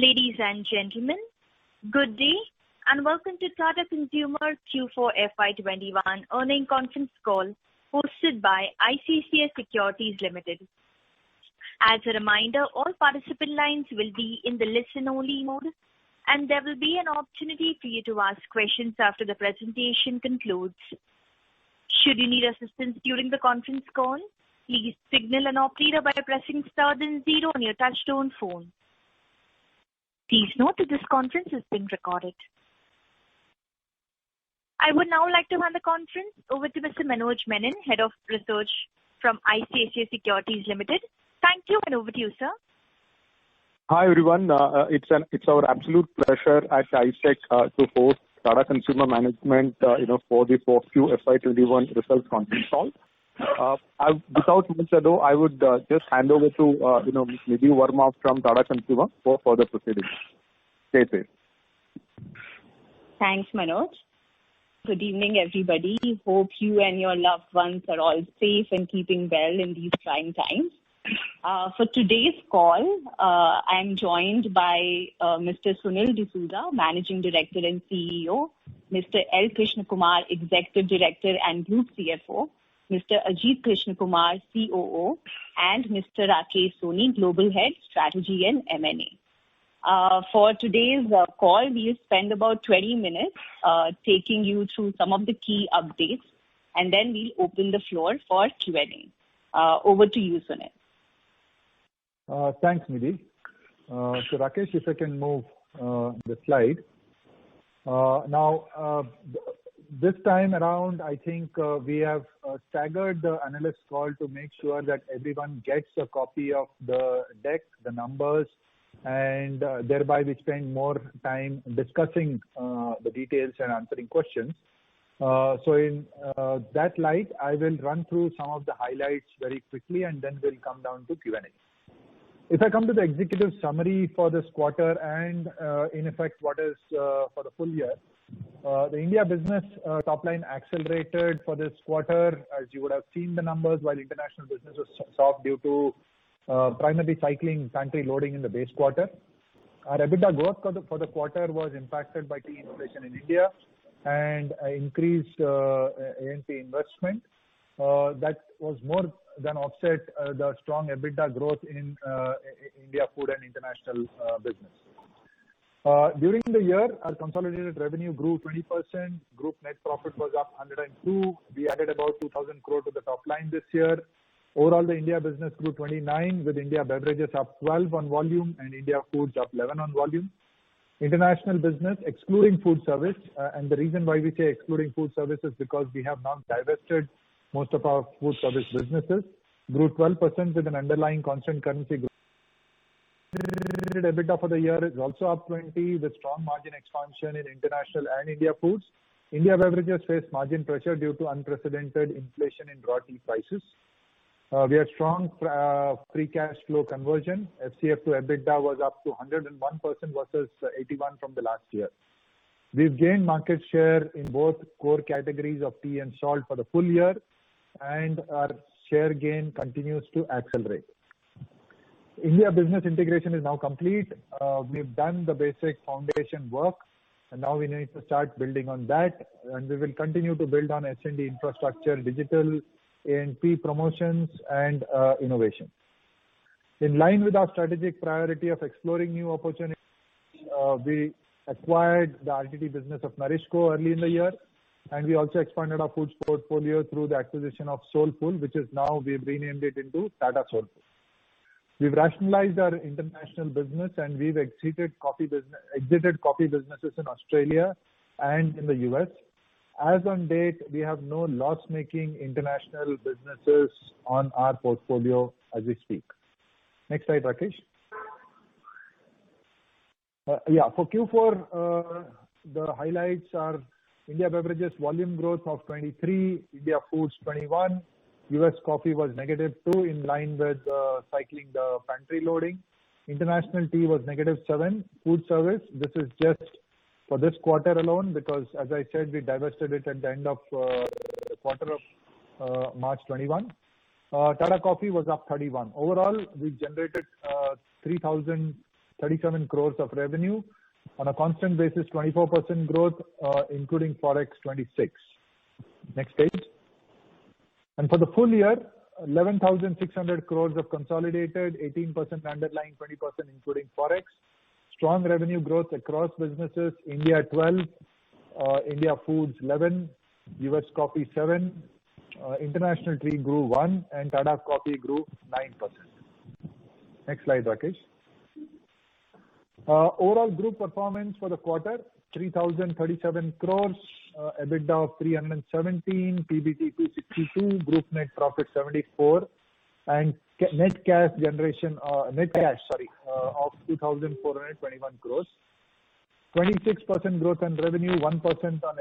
Ladies and gentlemen, good day and welcome to Tata Consumer Q4 FY 2021 Earnings Conference Call hosted by ICICI Securities Limited. As a reminder, all participant lines will be in the listen only mode, and there will be an opportunity for you to ask questions after the presentation concludes. Should you need assistance during the conference call, please signal an operator by pressing star then zero on your touch-tone phone. Please note that this conference is being recorded. I would now like to hand the conference over to Mr. Manoj Menon, Head of Research from ICICI Securities Limited. Thank you. Over to you, sir. Hi, everyone. It's our absolute pleasure at ICICI to host Tata Consumer management for the Q4 FY 2021 results conference call. Without much ado, I would just hand over to Nidhi Verma from Tata Consumer for further proceedings. Take it. Thanks, Manoj. Good evening, everybody. Hope you and your loved ones are all safe and keeping well in these trying times. For today's call, I'm joined by Mr. Sunil D'Souza, Managing Director and CEO, Mr. L. Krishnakumar, Executive Director and Group CFO, Mr. Ajit Krishnakumar, COO, and Mr. Rakesh Soni, Global Head, Strategy and M&A. For today's call, we'll spend about 20 minutes taking you through some of the key updates. Then we'll open the floor for Q&A. Over to you, Sunil. Thanks, Nidhi. Rakesh, if I can move the slide. This time around, I think we have staggered the analyst call to make sure that everyone gets a copy of the deck, the numbers, and thereby we spend more time discussing the details and answering questions. In that light, I will run through some of the highlights very quickly, and then we'll come down to Q&A. If I come to the executive summary for this quarter, and in effect, what is for the full year. The India business top line accelerated for this quarter, as you would have seen the numbers, while international business was soft due to primarily cycling factory loading in the base quarter. Our EBITDA growth for the quarter was impacted by key inflation in India and increased A&P investment that was more than offset the strong EBITDA growth in India food and international business. During the year, our consolidated revenue grew 20%, group net profit was up 102%. We added about 2,000 crore to the top line this year. Overall, the India business grew 29% with India beverages up 12% on volume and India foods up 11% on volume. International business, excluding food service, and the reason why we say excluding food service is because we have now divested most of our food service businesses, grew 12% with an underlying constant currency growth. EBITDA for the year is also up 20%, with strong margin expansion in international and India foods. India beverages faced margin pressure due to unprecedented inflation in raw tea prices. We had strong free cash flow conversion. FCF to EBITDA was up to 101% versus 81% from the last year. We've gained market share in both core categories of tea and salt for the full year. Our share gain continues to accelerate. India business integration is now complete. We've done the basic foundation work. Now we need to start building on that. We will continue to build on S&D infrastructure, digital A&P promotions, and innovation. In line with our strategic priority of exploring new opportunities, we acquired the RTD business of NourishCo early in the year. We also expanded our foods portfolio through the acquisition of Soulfull, which now we've renamed into Tata Soulfull. We've rationalized our international business. We've exited coffee businesses in Australia and in the U.S. As on date, we have no loss-making international businesses on our portfolio as we speak. Next slide, Rakesh. Yeah. For Q4, the highlights are India beverages volume growth of 23%, India foods 21%, U.S. coffee was -2% in line with cycling the factory loading. International tea was -7%. Food service, this is just for this quarter alone because, as I said, we divested it at the end of quarter of March 2021. Tata Coffee was up 31%. Overall, we generated 3,037 crore of revenue. On a constant basis, 24% growth, including Forex 26%. Next page. For the full year, 11,600 crore of consolidated, 18% underlying, 20% including Forex. Strong revenue growth across businesses. India 12%, India foods 11%, U.S. coffee 7%, international tea grew 1%, and Tata Coffee grew 9%. Next slide, Rakesh. Overall group performance for the quarter, 3,037 crore, EBITDA of 317 crore, PBT 262 crore, group net profit 74 crore, and net cash of 2,421 crore. 26% growth on revenue, 1% on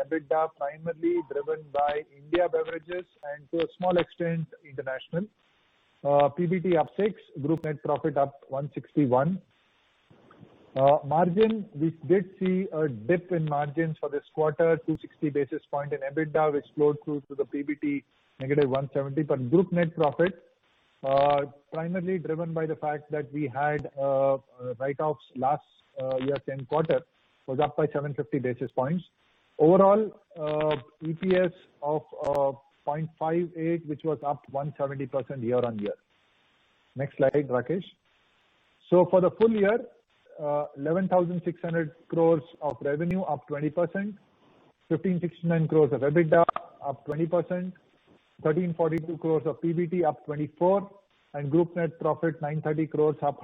EBITDA, primarily driven by India beverages and to a small extent, international. PBT up 6%, group net profit up 161%. Margin, we did see a dip in margins for this quarter, 260 basis points in EBITDA, which flowed through to the PBT -170 basis points. Group net profit, primarily driven by the fact that we had write-offs last year, same quarter, was up by 750 basis points. Overall, EPS of 0.58, which was up 170% year-over-year. Next slide, Rakesh. For the full year, 11,600 crore of revenue, up 20%, 1,569 crore of EBITDA, up 20%, 1,342 crore of PBT, up 24%, and group net profit 930 crore, up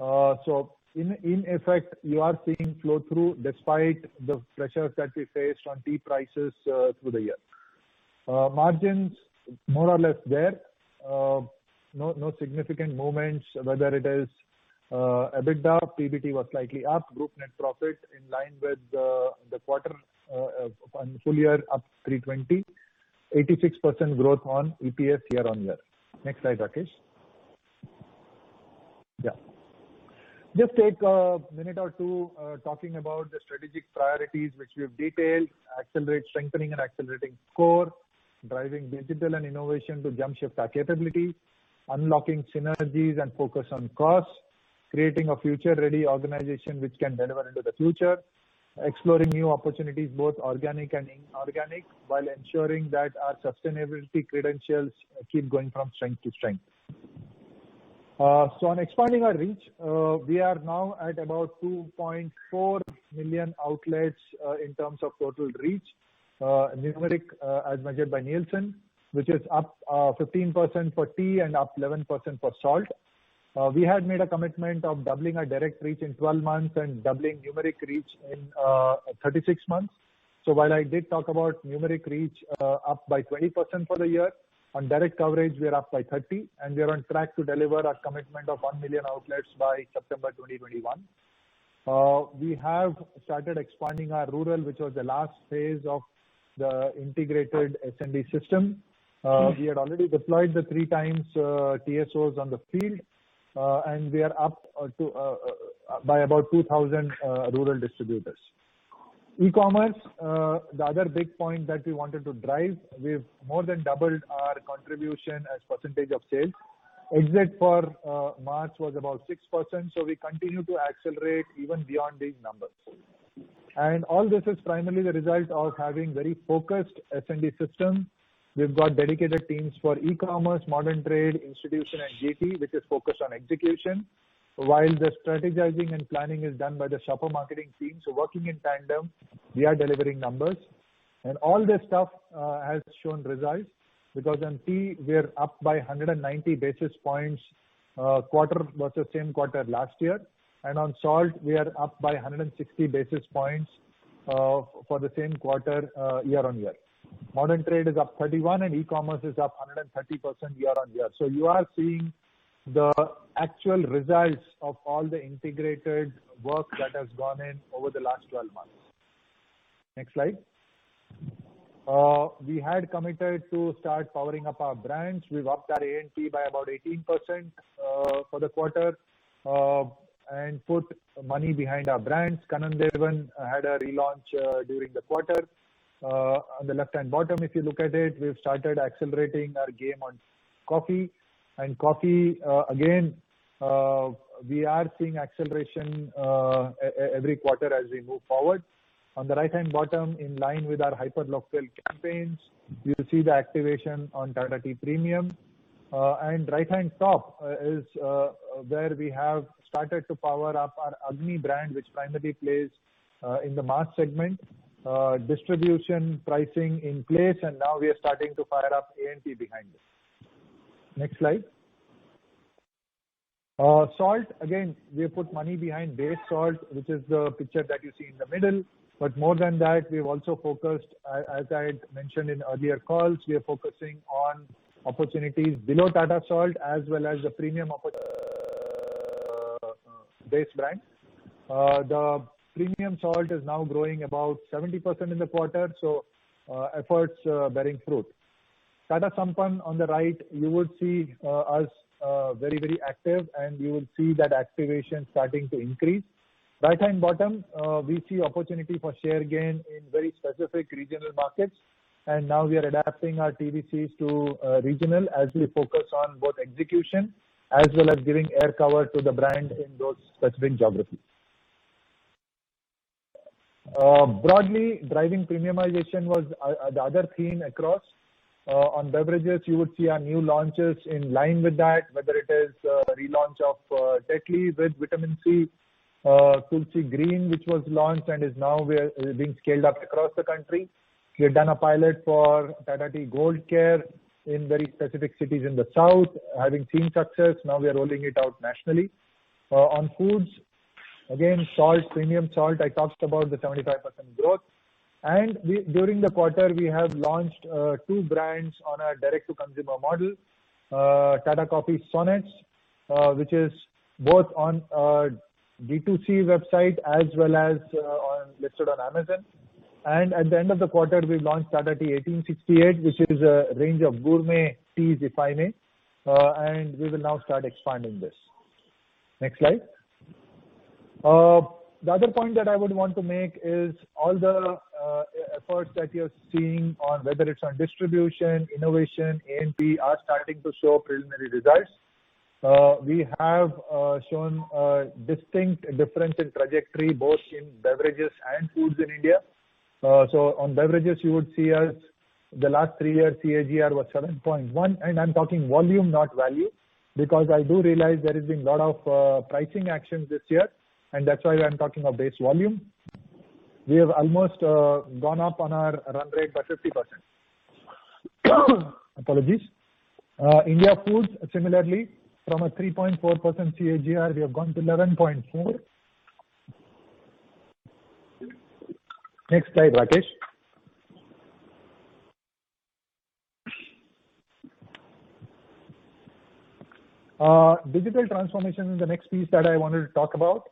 102%. In effect, you are seeing flow-through despite the pressures that we faced on tea prices through the year. Margins more or less there. No significant movements, whether it is EBITDA, PBT was slightly up, group net profit in line with the full year up 320, 86% growth on EPS year-on-year. Next slide, Rakesh. Yeah. Just take a minute or two talking about the strategic priorities which we've detailed, strengthening and accelerating core, driving digital and innovation to jump-shift our capabilities, unlocking synergies and focus on costs, creating a future-ready organization which can deliver into the future, exploring new opportunities, both organic and inorganic, while ensuring that our sustainability credentials keep going from strength to strength. On expanding our reach, we are now at about 2.4 million outlets, in terms of total reach. Numeric, as measured by Nielsen, which is up 15% for tea and up 11% for salt. We had made a commitment of doubling our direct reach in 12 months and doubling numeric reach in 36 months. While I did talk about numeric reach up by 20% for the year, on direct coverage, we are up by 30%, and we are on track to deliver our commitment of 1 million outlets by September 2021. We have started expanding our rural, which was the last phase of the integrated S&D system. We had already deployed the three times TSOs on the field, and we are up by about 2,000 rural distributors. E-commerce, the other big point that we wanted to drive, we've more than doubled our contribution as percentage of sales. Exit for March was about 6%. We continue to accelerate even beyond these numbers. All this is primarily the result of having very focused S&D system. We've got dedicated teams for e-commerce, modern trade, institution, and GT, which is focused on execution, while the strategizing and planning is done by the shopper marketing team. Working in tandem, we are delivering numbers. All this stuff has shown results because on tea, we are up by 190 basis points quarter versus same quarter last year. On salt, we are up by 160 basis points for the same quarter, year-on-year. Modern trade is up 31% and e-commerce is up 130% year-on-year. You are seeing the actual results of all the integrated work that has gone in over the last 12 months. Next slide. We had committed to start powering up our brands. We've upped our A&P by about 18% for the quarter and put money behind our brands. Kanan Devan had a relaunch during the quarter. On the left-hand bottom, if you look at it, we've started accelerating our game on coffee. Coffee, again, we are seeing acceleration every quarter as we move forward. On the right-hand bottom, in line with our hyper-local campaigns, you will see the activation on Tata Tea Premium. Right-hand top is where we have started to power up our Agni brand, which primarily plays in the mass segment. Distribution pricing in place. Now we are starting to fire up A&P behind it. Next slide. Salt, again, we have put money behind base salt, which is the picture that you see in the middle. More than that, we've also focused, as I had mentioned in earlier calls, we are focusing on opportunities below Tata Salt as well as the premium base brand. The premium salt is now growing about 70% in the quarter, so efforts bearing fruit. Tata Sampann on the right, you would see us very, very active, and you will see that activation starting to increase. Right-hand bottom, we see opportunity for share gain in very specific regional markets. Now we are adapting our TVCs to regional as we focus on both execution as well as giving air cover to the brand in those specific geographies. Driving premiumization was the other theme across. On beverages, you would see our new launches in line with that, whether it is relaunch of Tetley with Vitamin C, Tulsi Green, which was launched and is now being scaled up across the country. We've done a pilot for Tata Tea Gold Care in very specific cities in the south. Having seen success, we are rolling it out nationally. On foods, again, salt, premium salt, I talked about the 75% growth. During the quarter, we have launched two brands on our direct-to-consumer model, Tata Coffee Sonnets, which is both on our D2C website as well as listed on Amazon. At the end of the quarter, we launched Tata Tea 1868, which is a range of gourmet teas, if I may, and we will now start expanding this. Next slide. The other point that I would want to make is all the efforts that you're seeing, whether it's on distribution, innovation, A&P, are starting to show preliminary results. We have shown a distinct difference in trajectory, both in beverages and foods in India. On beverages, you would see as the last three-year CAGR was 7.1, and I'm talking volume, not value, because I do realize there has been a lot of pricing actions this year, and that's why I'm talking of base volume. We have almost gone up on our run rate by 50%. Apologies. India foods, similarly, from a 3.4% CAGR, we have gone to 11.4%. Next slide, Rakesh. Digital transformation is the next piece that I wanted to talk about.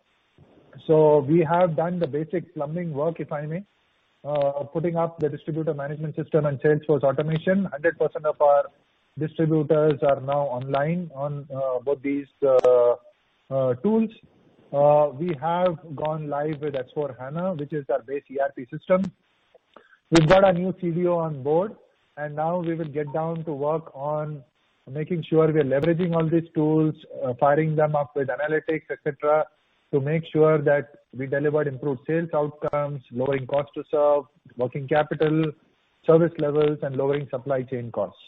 We have done the basic plumbing work, if I may, putting up the distributor management system and sales force automation. 100% of our distributors are now online on both these tools. We have gone live with S/4HANA, which is our base ERP system. We've got a new CDO on board, and now we will get down to work on making sure we are leveraging all these tools, firing them up with analytics, et cetera, to make sure that we deliver improved sales outcomes, lowering cost to serve, working capital, service levels, and lowering supply chain costs.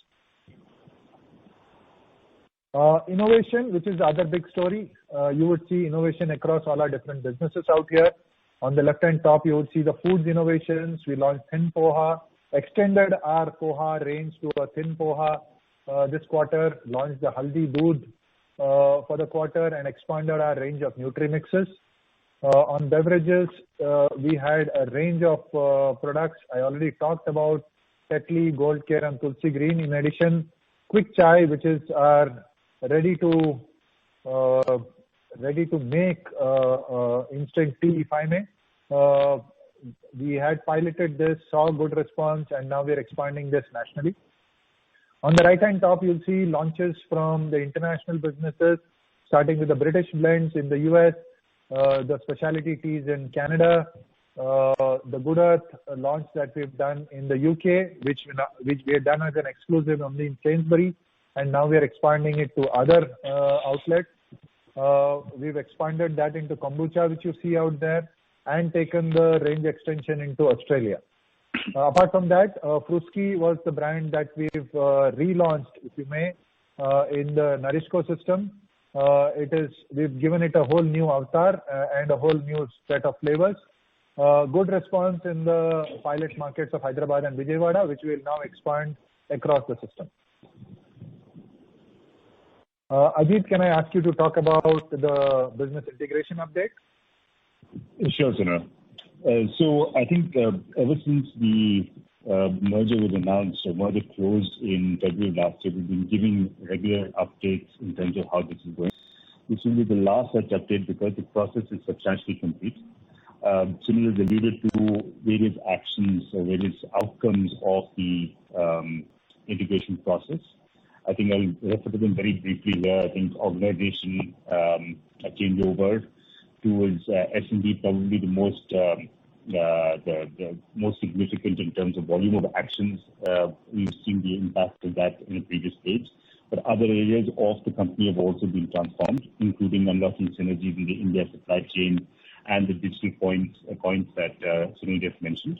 Innovation, which is the other big story. You would see innovation across all our different businesses out here. On the left-hand top, you would see the foods innovations. We launched Thin Poha, extended our Poha range to a Thin Poha this quarter, launched the Haldi Doodh for the quarter, and expanded our range of nutri mixes. On beverages, we had a range of products. I already talked about Tetley Gold Care, and Tulsi Green. In addition, Quick Chai, which is our ready-to-make instant tea, if I may. We had piloted this, saw good response, and now we are expanding this nationally. On the right-hand top, you'll see launches from the international businesses, starting with the British blends in the U.S., the specialty teas in Canada, the Good Earth launch that we've done in the U.K., which we had done as an exclusive only in Sainsbury's, and now we are expanding it to other outlets. We've expanded that into kombucha, which you see out there, and taken the range extension into Australia. Apart from that, Tata Fruski was the brand that we've relaunched, if you may, in the NourishCo system. We've given it a whole new avatar and a whole new set of flavors. Good response in the pilot markets of Hyderabad and Vijayawada, which we'll now expand across the system. Ajit, can I ask you to talk about the business integration update? Sure, Sunil. I think ever since the merger was announced, the merger closed in February of last year, we've been giving regular updates in terms of how this is going. This will be the last such update because the process is substantially complete. Sunil has alluded to various actions or various outcomes of the integration process. I think I'll refer to them very briefly where I think organization changeover towards S&D is probably the most significant in terms of volume of actions. We've seen the impact of that in the previous page. Other areas of the company have also been transformed, including unlocking synergies with the India supply chain and the digital points that Sunil just mentioned.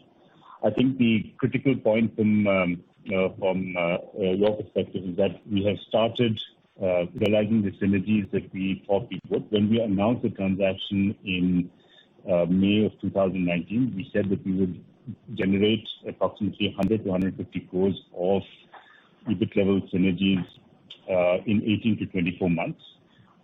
I think the critical point from your perspective is that we have started realizing the synergies that we thought we put. When we announced the transaction in May of 2019, we said that we would generate approximately 100 crores-150 crores of EBIT level synergies in 18-24 months.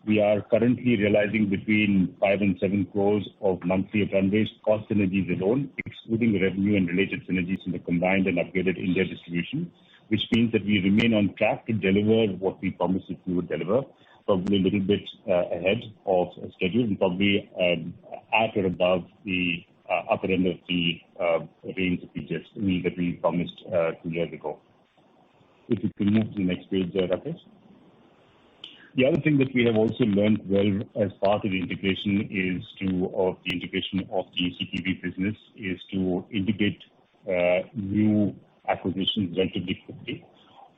We are currently realizing between 5 crores and 7 crores of monthly run rate cost synergies alone, excluding revenue and related synergies in the combined and upgraded India distribution, which means that we remain on track to deliver what we promised that we would deliver, probably a little bit ahead of schedule and probably at or above the upper end of the range of synergies that we promised two years ago. If we could move to the next page there, Rakesh. The other thing that we have also learned well as part of the integration of the CPB business is to integrate new acquisitions relatively quickly.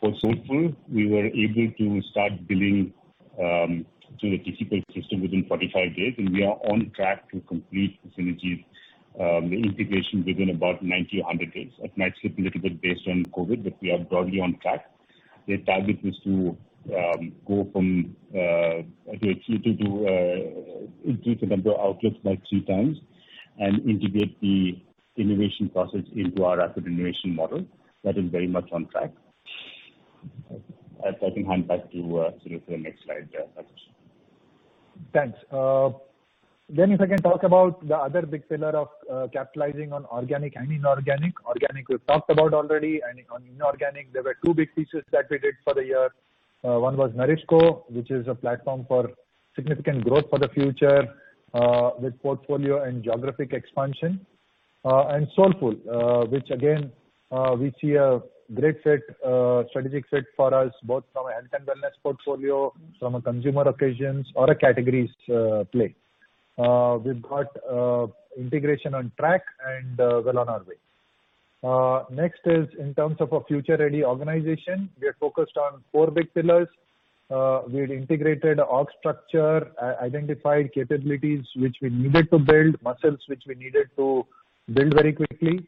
For Soulfull, we were able to start billing through the TCPL system within 45 days. We are on track to complete the synergies, the integration within about 90, 100 days. It might slip a little bit based on COVID. We are broadly on track. Their target was to go from, I think, two to three number of outlets like three times. Integrate the innovation process into our rapid innovation model. That is very much on track. I think hand back to Sunil for the next slide there. Thanks. If I can talk about the other big pillar of capitalizing on organic and inorganic. Organic, we've talked about already, and on inorganic, there were two big pieces that we did for the year. One was NourishCo, which is a platform for significant growth for the future with portfolio and geographic expansion. Soulfull, which again, we see a great strategic fit for us, both from a health and wellness portfolio, from a consumer occasions or a categories play. We've got integration on track and well on our way. In terms of a future-ready organization. We are focused on four big pillars. We've integrated org structure, identified capabilities which we needed to build, muscles which we needed to build very quickly,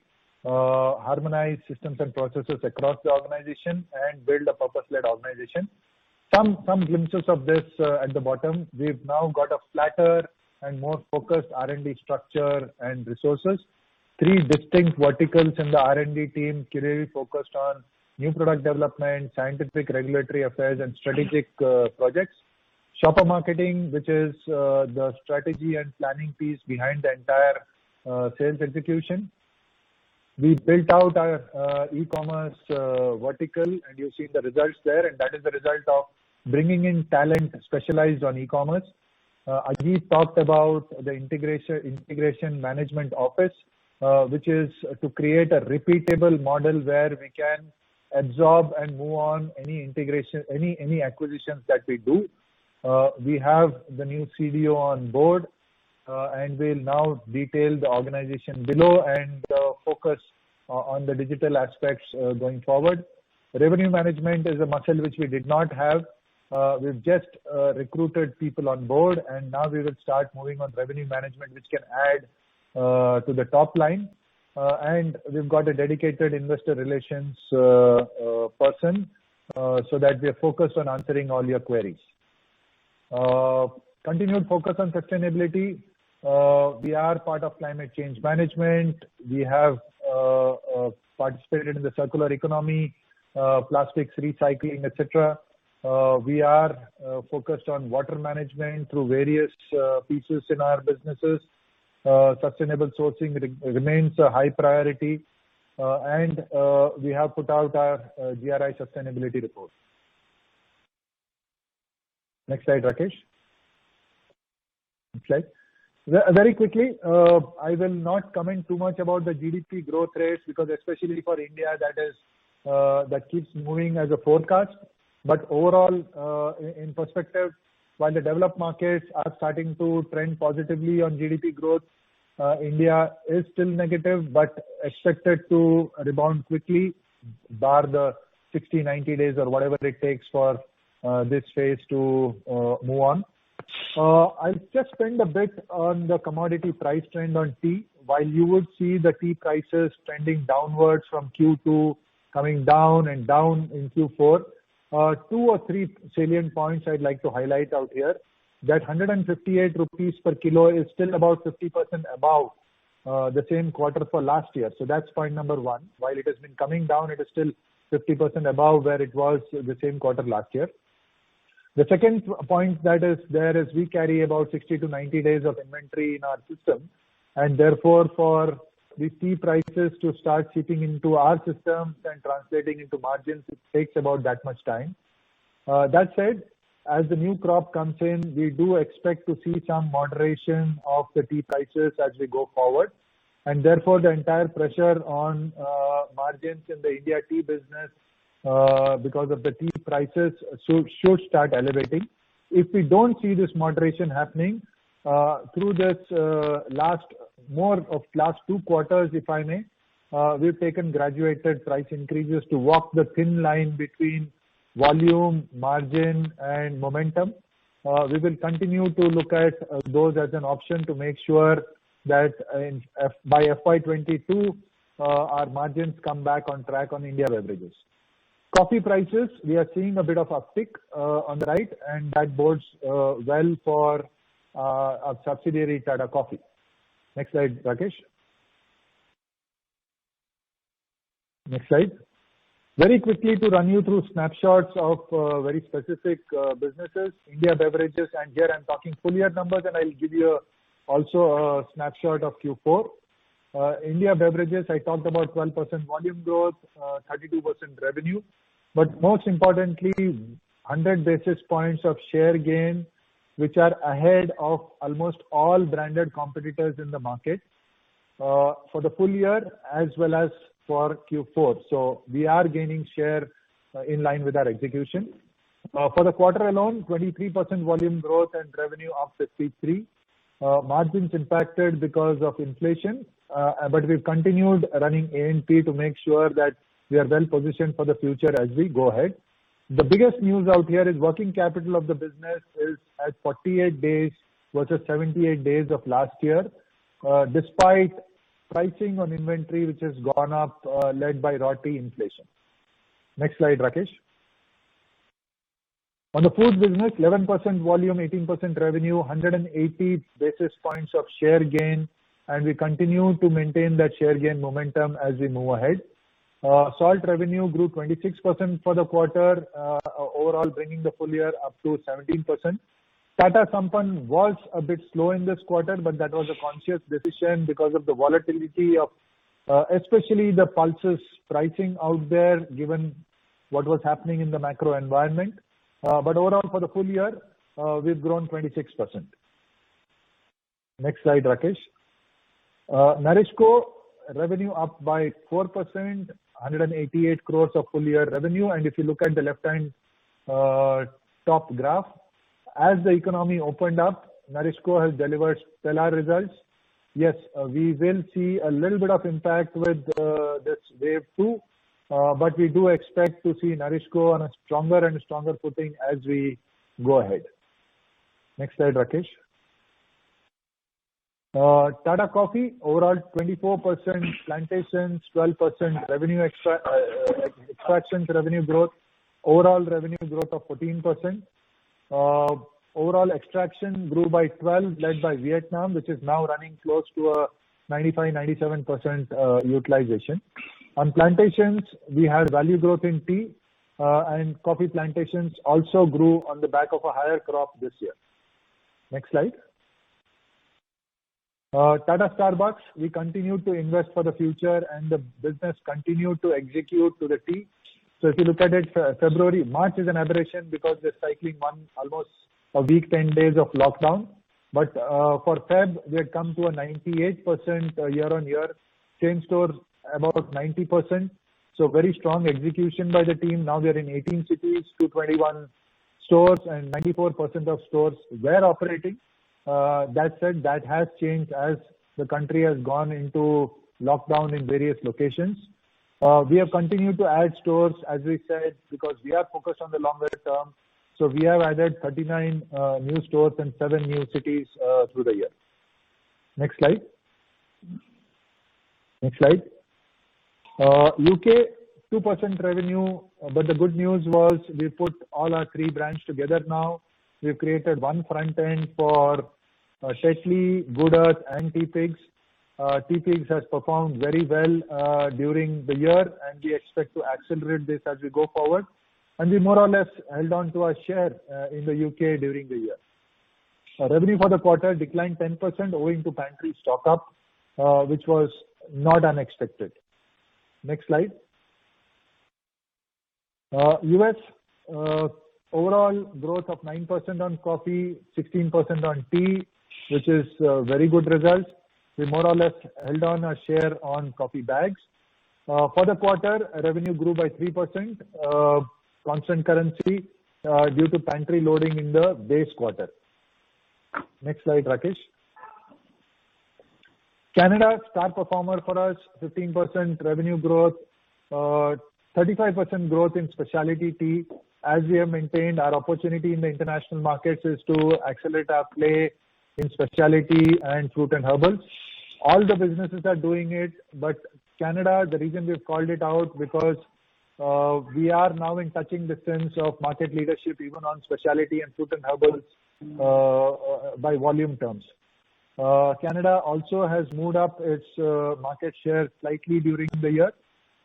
harmonize systems and processes across the organization, and build a purpose-led organization. Some glimpses of this at the bottom. We've now got a flatter and more focused R&D structure and resources. Three distinct verticals in the R&D team clearly focused on new product development, scientific regulatory affairs, and strategic projects. Shopper marketing, which is the strategy and planning piece behind the entire sales execution. We built out our e-commerce vertical, and you've seen the results there, and that is the result of bringing in talent specialized on e-commerce. Ajit talked about the integration management office, which is to create a repeatable model where we can absorb and move on any acquisitions that we do. We have the new CDO on board, and we'll now detail the organization below and focus on the digital aspects going forward. Revenue management is a muscle which we did not have. We've just recruited people on board, and now we will start moving on revenue management, which can add to the top line. We've got a dedicated investor relations person so that we are focused on answering all your queries. Continued focus on sustainability. We are part of climate change management. We have participated in the circular economy, plastics recycling, et cetera. We are focused on water management through various pieces in our businesses. Sustainable sourcing remains a high priority. We have put out our GRI sustainability report. Next slide, Rakesh. Next slide. Very quickly, I will not comment too much about the GDP growth rates, because especially for India, that keeps moving as a forecast. Overall, in perspective, while the developed markets are starting to trend positively on GDP growth, India is still negative, but expected to rebound quickly bar the 60, 90 days or whatever it takes for this phase to move on. I'll just spend a bit on the commodity price trend on tea. While you would see the tea prices trending downwards from Q2, coming down and down in Q4, two or three salient points I'd like to highlight out here. That 158 rupees per kilo is still about 50% above the same quarter for last year. That's point number one. While it has been coming down, it is still 50% above where it was the same quarter last year. The second point that is there is we carry about 60-90 days of inventory in our system, and therefore for the tea prices to start feeding into our systems and translating into margins, it takes about that much time. That said, as the new crop comes in, we do expect to see some moderation of the tea prices as we go forward, and therefore the entire pressure on margins in the India tea business because of the tea prices should start alleviating. If we don't see this moderation happening, through more of last two quarters, if I may, we've taken graduated price increases to walk the thin line between volume, margin, and momentum. We will continue to look at those as an option to make sure that by FY 2022, our margins come back on track on India beverages. Coffee prices, we are seeing a bit of uptick on the rise, and that bodes well for our subsidiary, Tata Coffee. Next slide, Rakesh. Next slide. Very quickly to run you through snapshots of very specific businesses, India beverages, here I'm talking full-year numbers, I'll give you also a snapshot of Q4. India beverages, I talked about 12% volume growth, 32% revenue, most importantly, 100 basis points of share gain, which are ahead of almost all branded competitors in the market for the full year as well as for Q4. We are gaining share in line with our execution. For the quarter alone, 23% volume growth and revenue of 63%. Margins impacted because of inflation, we've continued running A&P to make sure that we are well-positioned for the future as we go ahead. The biggest news out here is working capital of the business is at 48 days versus 78 days of last year, despite pricing on inventory, which has gone up, led by raw tea inflation. Next slide, Rakesh. The food business, 11% volume, 18% revenue, 180 basis points of share gain, we continue to maintain that share gain momentum as we move ahead. Salt revenue grew 26% for the quarter, overall bringing the full year up to 17%. Tata Sampann was a bit slow in this quarter, that was a conscious decision because of the volatility of the pulses pricing out there, given what was happening in the macro environment. Overall for the full year, we've grown 26%. Next slide, Rakesh. NourishCo revenue up by 4%, 188 crores of full year revenue. If you look at the left-hand top graph, as the economy opened up, NourishCo has delivered stellar results. Yes, we will see a little bit of impact with this wave two, we do expect to see NourishCo on a stronger and stronger footing as we go ahead. Next slide, Rakesh. Tata Coffee, overall 24%, plantations 12%, extractions revenue growth, overall revenue growth of 14%. Overall extraction grew by 12%, led by Vietnam, which is now running close to a 95%-97% utilization. Next slide. Tata Starbucks, we continue to invest for the future and the business continue to execute to the T. If you look at it, February, March is an aberration because they're cycling one almost a week, 10 days of lockdown. For Feb, we had come to a 98% year-on-year, same store about 90%. Very strong execution by the team. Now we are in 18 cities, 221 stores, and 94% of stores were operating. That said, that has changed as the country has gone into lockdown in various locations. We have continued to add stores, as we said, because we are focused on the longer term. We have added 39 new stores in seven new cities through the year. Next slide. U.K., 2% revenue, the good news was we put all our three brands together now. We've created one front end for Tetley, Good Earth, and teapigs. teapigs has performed very well during the year, we expect to accelerate this as we go forward. We more or less held on to our share in the U.K. during the year. Revenue for the quarter declined 10% owing to pantry stock-up, which was not unexpected. Next slide. U.S., overall growth of 9% on coffee, 16% on tea, which is a very good result. We more or less held on our share on coffee bags. For the quarter, revenue grew by 3%, constant currency, due to pantry loading in the base quarter. Next slide, Rakesh. Canada, star performer for us, 15% revenue growth, 35% growth in specialty tea. As we have maintained, our opportunity in the international markets is to accelerate our play in specialty and fruit and herbal. All the businesses are doing it, but Canada, the reason we've called it out, because we are now in touching distance of market leadership, even on specialty and fruit and herbals by volume terms. Canada also has moved up its market share slightly during the year,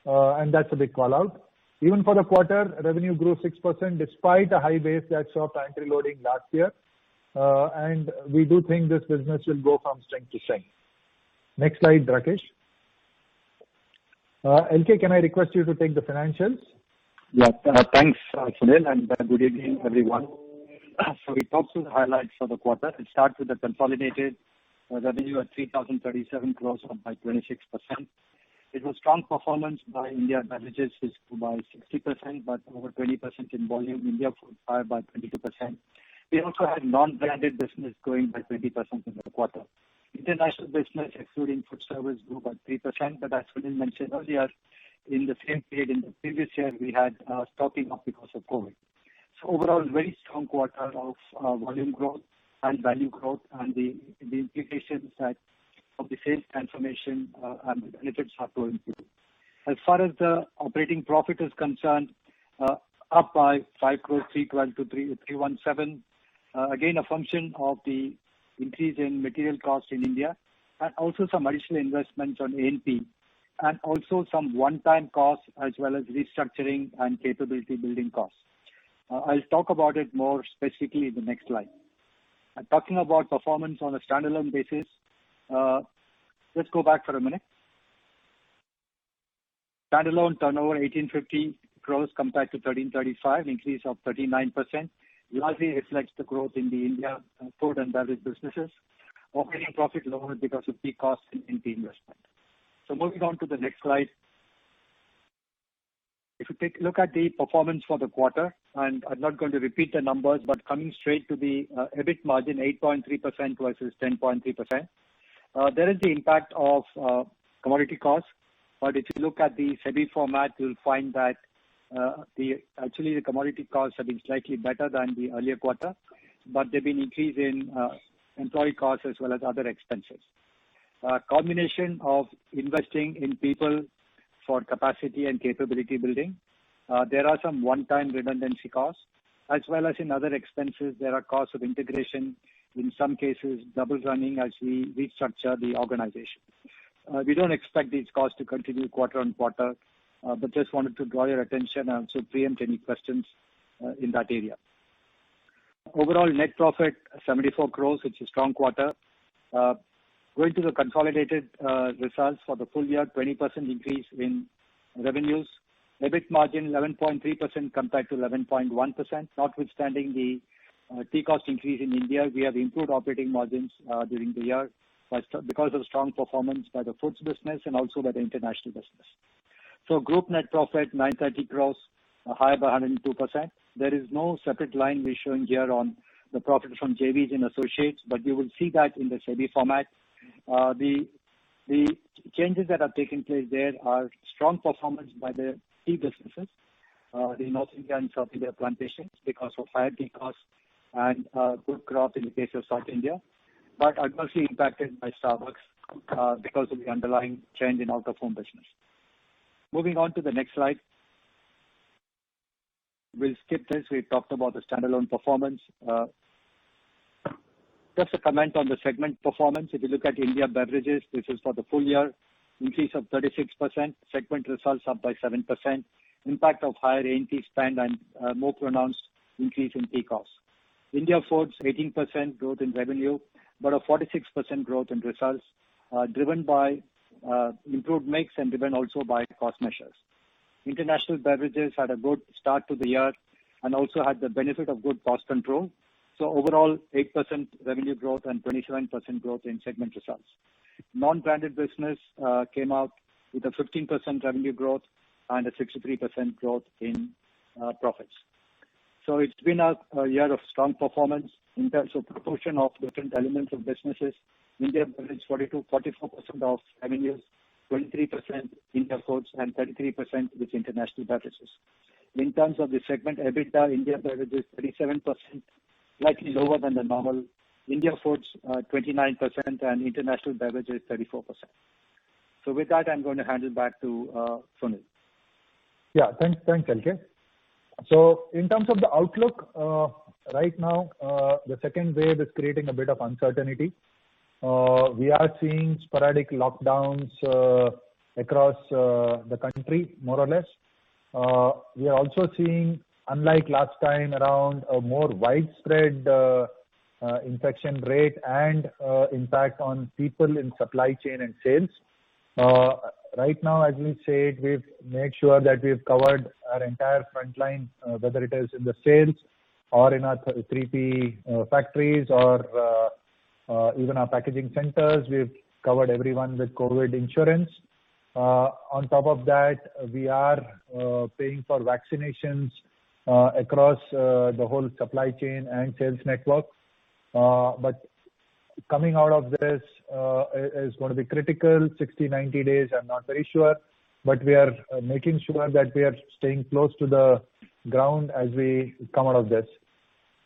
and that's a big call-out. Even for the quarter, revenue grew 6% despite a high base that saw pantry loading last year. We do think this business will go from strength to strength. Next slide, Rakesh. LK, can I request you to take the financials? Thanks, Sunil, and good evening, everyone. If we talk to the highlights for the quarter, it starts with the consolidated revenue at 3,037 crore, up by 26%. It was strong performance by India beverages which grew by 60%, but over 20% in volume. India food by 22%. We also had non-branded business growing by 20% in the quarter. International business, excluding food service, grew by 3%, but as Sunil mentioned earlier, in the same period in the previous year, we had stocking up because of COVID. Overall, very strong quarter of volume growth and value growth, and the implications that of the sales transformation and benefits are going to improve. As far as the operating profit is concerned, up by 5 crore, 312-317. A function of the increase in material costs in India, and also some additional investments on A&P, and also some one-time costs as well as restructuring and capability building costs. I'll talk about it more specifically in the next slide. Talking about performance on a standalone basis, let's go back for a minute. Standalone turnover 1,850 crores compared to 1,335 crores, increase of 39%, largely reflects the growth in the India food and beverage businesses. Operating profit lower because of tea costs and A&P investment. Moving on to the next slide. If you take a look at the performance for the quarter, and I'm not going to repeat the numbers, but coming straight to the EBIT margin, 8.3% versus 10.3%. There is the impact of commodity costs, but if you look at the SEBI format, you'll find that actually the commodity costs have been slightly better than the earlier quarter, but there's been increase in employee costs as well as other expenses. A combination of investing in people for capacity and capability building. There are some one-time redundancy costs. As well as in other expenses, there are costs of integration, in some cases, double running as we restructure the organization. We don't expect these costs to continue quarter-on-quarter. We just wanted to draw your attention and to preempt any questions in that area. Overall net profit, 74 crore, which is strong quarter. Going to the consolidated results for the full year, 20% increase in revenues. EBIT margin 11.3% compared to 11.1%. Notwithstanding the tea cost increase in India, we have improved operating margins during the year because of strong performance by the Foods business and also by the International business. Group net profit 930 crores, higher by 102%. There is no separate line we're showing here on the profits from JVs and associates, but you will see that in the JV format. The changes that have taken place there are strong performance by the tea businesses, the North India and South India plantations because of higher tea cost and good growth in the case of South India, but adversely impacted by Starbucks because of the underlying change in out-of-home business. Moving on to the next slide. We'll skip this. We talked about the standalone performance. Just a comment on the segment performance. If you look at India Beverages, this is for the full year, increase of 36%, segment results up by 7%, impact of higher A&P spend and more pronounced increase in tea cost. India Foods, 18% growth in revenue, a 46% growth in results, driven by improved mix and driven also by cost measures. International Beverages had a good start to the year and also had the benefit of good cost control. Overall, 8% revenue growth and 27% growth in segment results. Non-branded business came out with a 15% revenue growth and a 63% growth in profits. It's been a year of strong performance in terms of proportion of different elements of businesses. India Beverages 42%, 44% of revenues, 23% India Foods and 33% with International Beverages. In terms of the segment, EBITDA, India Beverages 37%, slightly lower than the normal. India Foods 29%, and International Beverages 34%. With that, I'm going to hand it back to Sunil. Thanks, LK. In terms of the outlook, right now, the second wave is creating a bit of uncertainty. We are seeing sporadic lockdowns across the country, more or less. We are also seeing, unlike last time around, a more widespread infection rate and impact on people in supply chain and sales. Right now, as we said, we've made sure that we've covered our entire front line, whether it is in the sales or in our three P factories or even our packaging centers. We've covered everyone with COVID insurance. On top of that, we are paying for vaccinations across the whole supply chain and sales network. Coming out of this is going to be critical, 60, 90 days, I'm not very sure, but we are making sure that we are staying close to the ground as we come out of this.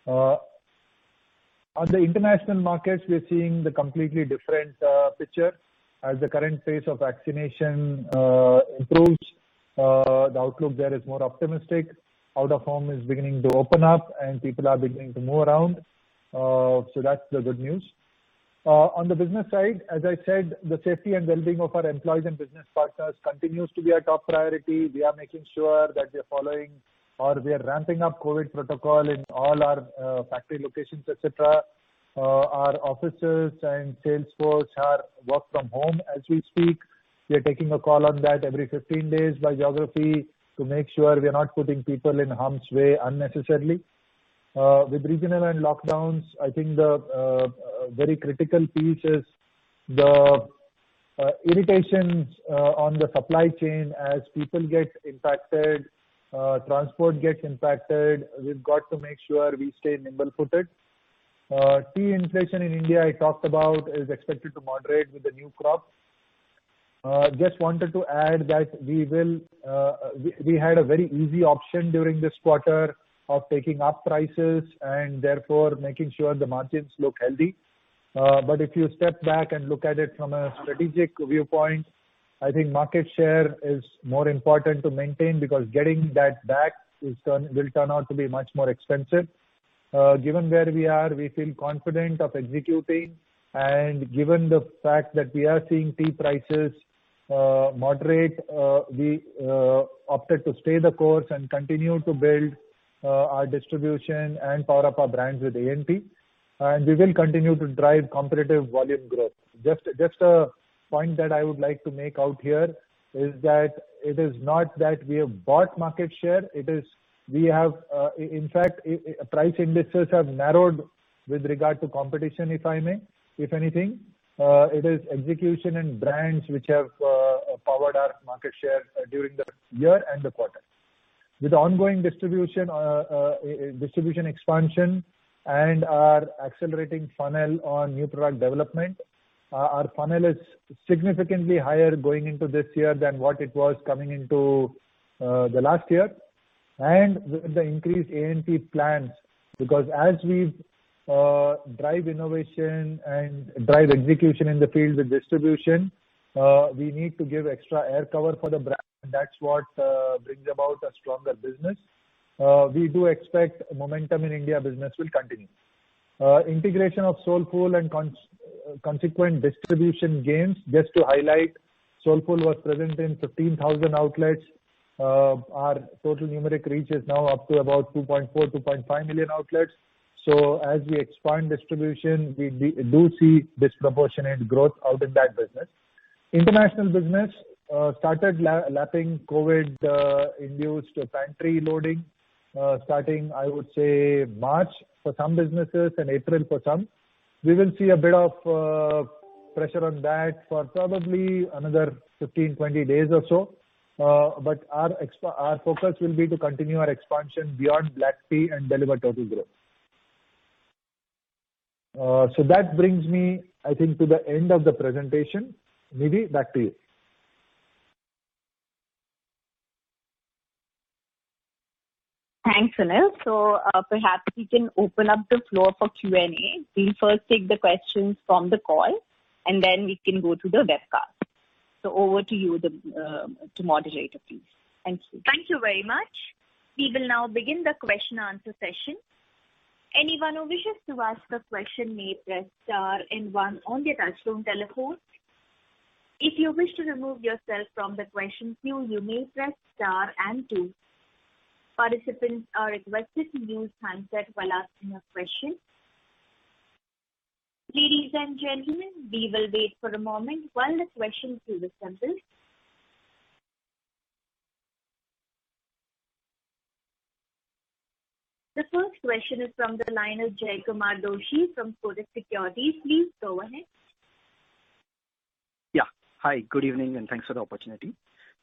On the international markets, we are seeing the completely different picture. As the current phase of vaccination improves, the outlook there is more optimistic. Out-of-home is beginning to open up, and people are beginning to move around. That's the good news. On the business side, as I said, the safety and well-being of our employees and business partners continues to be our top priority. We are making sure that we are following or we are ramping up COVID protocol in all our factory locations, et cetera. Our officers and sales force are work from home as we speak. We are taking a call on that every 15 days by geography to make sure we are not putting people in harm's way unnecessarily. With regional and lockdowns, I think the very critical piece is the irritations on the supply chain as people get impacted, transport gets impacted. We've got to make sure we stay nimble-footed. Tea inflation in India, I talked about, is expected to moderate with the new crop. Just wanted to add that we had a very easy option during this quarter of taking up prices and therefore making sure the margins look healthy. If you step back and look at it from a strategic viewpoint, I think market share is more important to maintain because getting that back will turn out to be much more expensive. Given where we are, we feel confident of executing, and given the fact that we are seeing tea prices moderate, we opted to stay the course and continue to build our distribution and power up our brands with A&P. We will continue to drive competitive volume growth. Just a point that I would like to make out here is that it is not that we have bought market share. Price indices have narrowed with regard to competition, if I may. If anything, it is execution and brands which have powered our market share during the year and the quarter. With ongoing distribution expansion and our accelerating funnel on new product development, our funnel is significantly higher going into this year than what it was coming into the last year, with the increased A&P plans, because as we drive innovation and drive execution in the field with distribution, we need to give extra air cover for the brand. That's what brings about a stronger business. We do expect momentum in India business will continue. Integration of Soulfull and consequent distribution gains. Just to highlight, Soulfull was present in 15,000 outlets. Our total numeric reach is now up to about 2.4 million, 2.5 million outlets. As we expand distribution, we do see disproportionate growth out in that business. International business started lapping COVID-induced pantry loading, starting, I would say, March for some businesses and April for some. We will see a bit of pressure on that for probably another 15, 20 days or so. Our focus will be to continue our expansion beyond black tea and deliver total growth. That brings me, I think, to the end of the presentation. Nidhi, back to you. Thanks, Sunil. Perhaps we can open up the floor for Q&A. We'll first take the questions from the call, and then we can go to the webcast. Over to you, the moderator, please. Thank you. Thank you very much. We will now begin the question and answer session. Anyone who wishes to ask a question may press star and one on your touchtone telephone. If you wish to remove yourself from the question queue, you may press star and two. Participants are requested to use handset while asking a question. Ladies and gentlemen, we will wait for a moment while the questions are assembled. The first question is from the line of Jaykumar Doshi from Kotak Securities. Please go ahead. Yeah. Hi, good evening, thanks for the opportunity.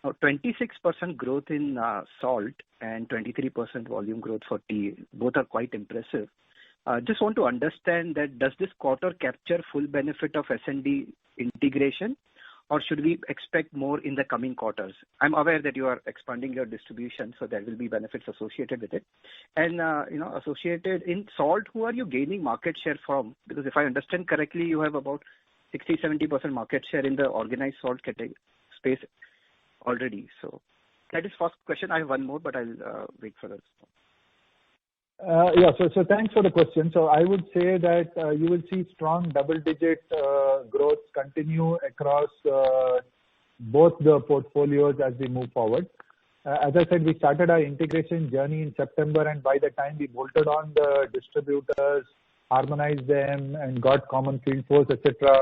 Now, 26% growth in salt and 23% volume growth for tea, both are quite impressive. Just want to understand that does this quarter capture full benefit of S&D integration, or should we expect more in the coming quarters? I'm aware that you are expanding your distribution, so there will be benefits associated with it. Associated in salt, who are you gaining market share from? If I understand correctly, you have about 60%-70% market share in the organized salt space already. That is first question. I have one more, but I'll wait for the response. Yeah. Thanks for the question. I would say that you will see strong double-digit growth continue across both the portfolios as we move forward. As I said, we started our integration journey in September, and by the time we bolted on the distributors, harmonized them, and got common field force, et cetera,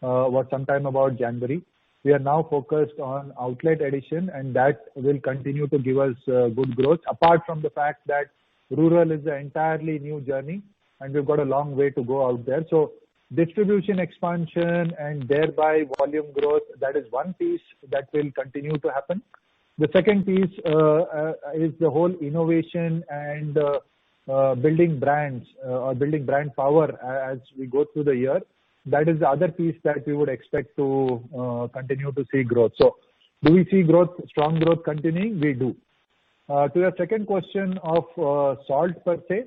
was sometime about January. We are now focused on outlet addition, and that will continue to give us good growth, apart from the fact that rural is an entirely new journey, and we've got a long way to go out there. Distribution expansion and thereby volume growth, that is one piece that will continue to happen. The second piece is the whole innovation and building brands or building brand power as we go through the year. That is the other piece that we would expect to continue to see growth. Do we see strong growth continuing? We do. To your second question of salt per se,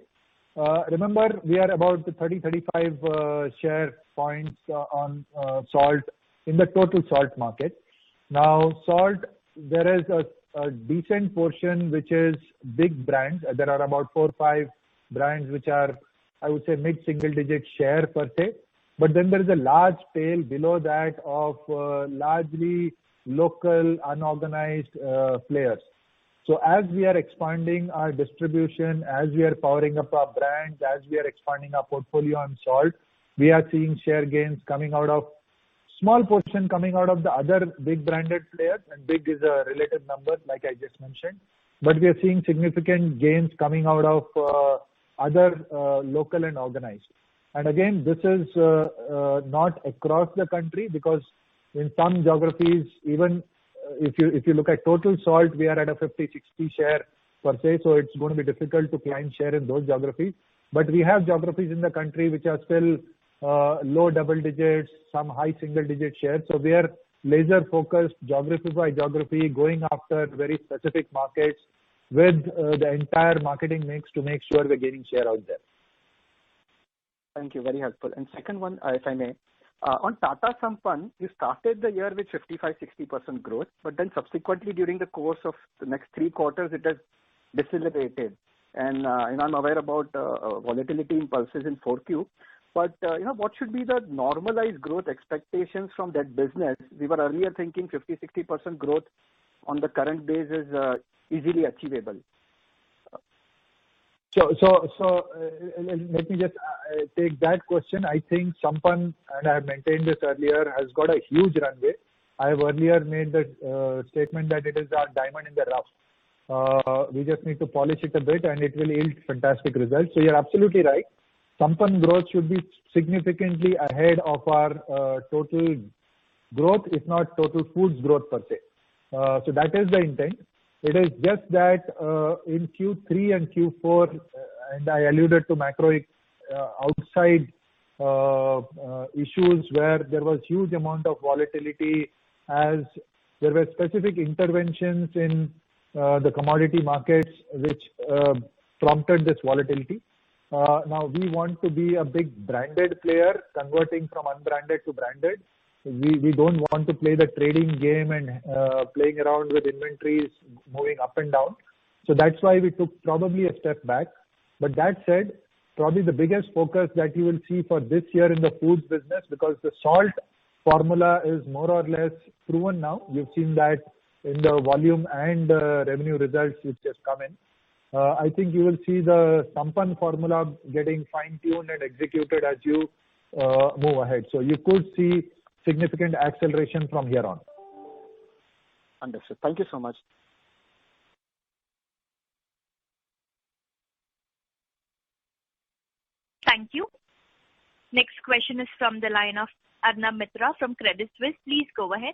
remember, we are about 30-35 share points on salt in the total salt market. Salt, there is a decent portion which is big brands. There are about four or five brands which are, I would say, mid-single digit share per se. There is a large tail below that of largely local unorganized players. As we are expanding our distribution, as we are powering up our brands, as we are expanding our portfolio on salt, we are seeing share gains coming out of small portion coming out of the other big branded players, and big is a relative number, like I just mentioned. We are seeing significant gains coming out of other local and organized. Again, this is not across the country because in some geographies, even if you look at Tata Salt, we are at a 50%, 60% share per se, so it's going to be difficult to claim share in those geographies. We have geographies in the country which are still low double-digits, some high single-digit shares. We are laser-focused geography by geography, going after very specific markets with the entire marketing mix to make sure we're gaining share out there. Thank you. Very helpful. Second one, if I may. On Tata Sampann, you started the year with 55%, 60% growth, but then subsequently during the course of the next three quarters, it has decelerated. I'm aware about volatility impulses in 4Q. What should be the normalized growth expectations from that business? We were earlier thinking 50%, 60% growth on the current basis, easily achievable. Let me just take that question. I think Sampann, and I maintained this earlier, has got a huge runway. I have earlier made the statement that it is our diamond in the rough. We just need to polish it a bit and it will yield fantastic results. You're absolutely right. Sampann growth should be significantly ahead of our total growth, if not total foods growth per se. That is the intent. It is just that in Q3 and Q4, and I alluded to macro outside issues where there was huge amount of volatility as there were specific interventions in the commodity markets which prompted this volatility. We want to be a big branded player converting from unbranded to branded. We don't want to play the trading game and playing around with inventories moving up and down. That's why we took probably a step back. That said, probably the biggest focus that you will see for this year in the foods business, because the salt formula is more or less proven now. You've seen that in the volume and revenue results which have come in. I think you will see the Sampann formula getting fine-tuned and executed as you move ahead. You could see significant acceleration from here on. Understood. Thank you so much. Thank you. Next question is from the line of Arnab Mitra from Credit Suisse. Please go ahead.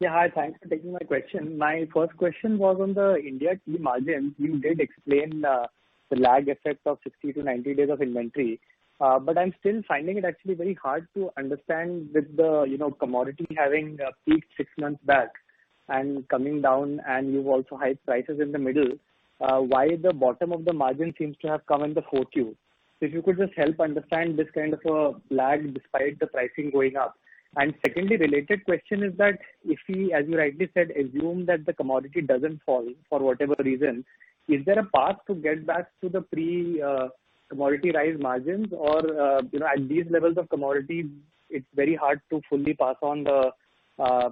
Yeah. Hi. Thanks for taking my question. My first question was on the India tea margin. You did explain the lag effect of 60-90 days of inventory. I'm still finding it actually very hard to understand with the commodity having peaked six months back and coming down, and you've also hiked prices in the middle, why the bottom of the margin seems to have come in the Q4. If you could just help understand this kind of a lag despite the pricing going up. Secondly, related question is that if we, as you rightly said, assume that the commodity doesn't fall for whatever reason, is there a path to get back to the pre-commodity rise margins or, at these levels of commodity, it's very hard to fully pass on the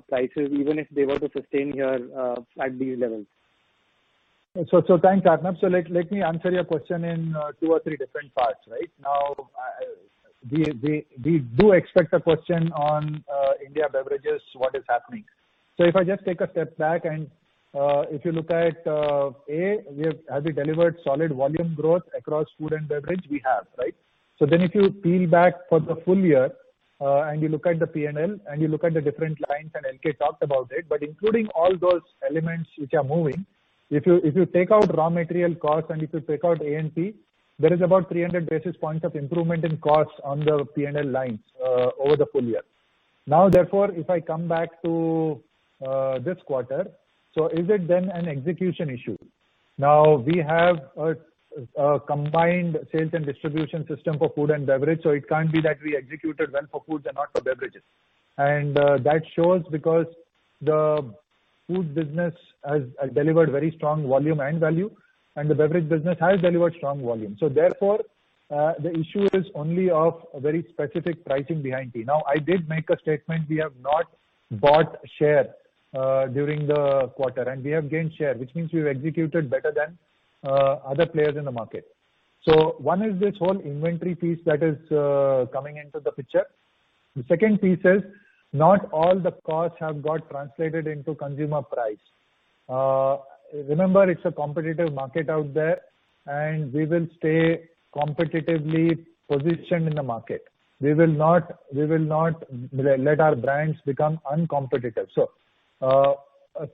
prices even if they were to sustain here at these levels? Thanks, Arnab. Let me answer your question in two or three different parts. Right now, we do expect a question on India beverages, what is happening. If I just take a step back, and if you look at A, have we delivered solid volume growth across food and beverage? We have, right? If you peel back for the full year, and you look at the P&L, and you look at the different lines, and LK talked about it, but including all those elements which are moving, if you take out raw material costs and if you take out A&P, there is about 300 basis points of improvement in costs on the P&L lines over the full year. Now, therefore, if I come back to this quarter, is it then an execution issue? We have a combined sales and distribution system for food and beverage, so it can't be that we executed well for foods and not for beverages. That shows because the food business has delivered very strong volume and value, and the beverage business has delivered strong volume. Therefore, the issue is only of very specific pricing behind tea. I did make a statement, we have not bought share during the quarter, and we have gained share, which means we've executed better than other players in the market. One is this whole inventory piece that is coming into the picture. The second piece is not all the costs have got translated into consumer price. Remember, it's a competitive market out there, and we will stay competitively positioned in the market. We will not let our brands become uncompetitive. A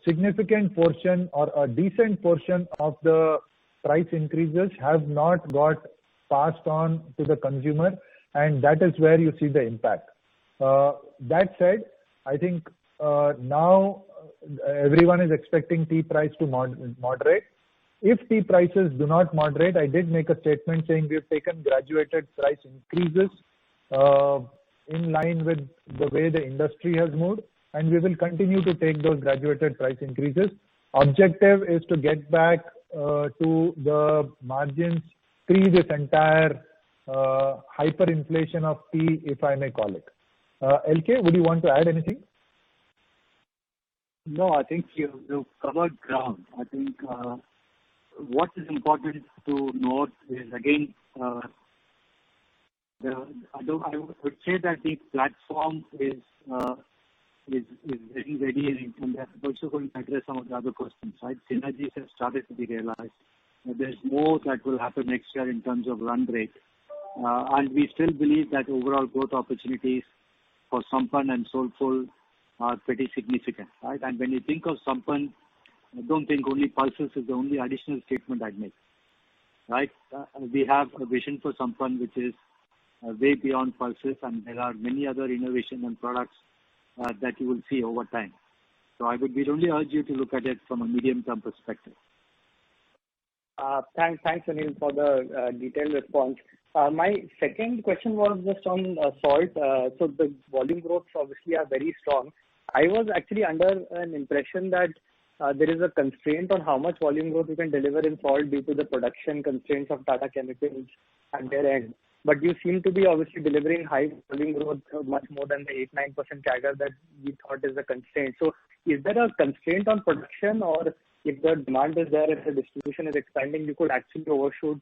significant portion or a decent portion of the price increases have not got passed on to the consumer, and that is where you see the impact. That said, I think, now everyone is expecting tea price to moderate. If tea prices do not moderate, I did make a statement saying we have taken graduated price increases, in line with the way the industry has moved, and we will continue to take those graduated price increases. Objective is to get back to the margins pre this entire hyperinflation of tea, if I may call it. LK, would you want to add anything? No, I think you've covered ground. I think what is important to note is, again, I would say that the platform is very ready, and that's also going to address some of the other questions, right? Synergies have started to be realized. There's more that will happen next year in terms of run rate. We still believe that overall growth opportunities for Sampann and Soulfull are pretty significant, right? When you think of Sampann, don't think only pulses is the only additional statement I'd make. Right? We have a vision for Sampann, which is way beyond pulses, and there are many other innovation and products that you will see over time. I would really urge you to look at it from a medium-term perspective. Thanks, Sunil, for the detailed response. My second question was just on salt. The volume growths obviously are very strong. I was actually under an impression that there is a constraint on how much volume growth you can deliver in salt due to the production constraints of Tata Chemicals at their end. You seem to be obviously delivering high volume growth, much more than the 8%-9% CAGR that we thought is a constraint. Is there a constraint on production, or if the demand is there, if the distribution is expanding, you could actually overshoot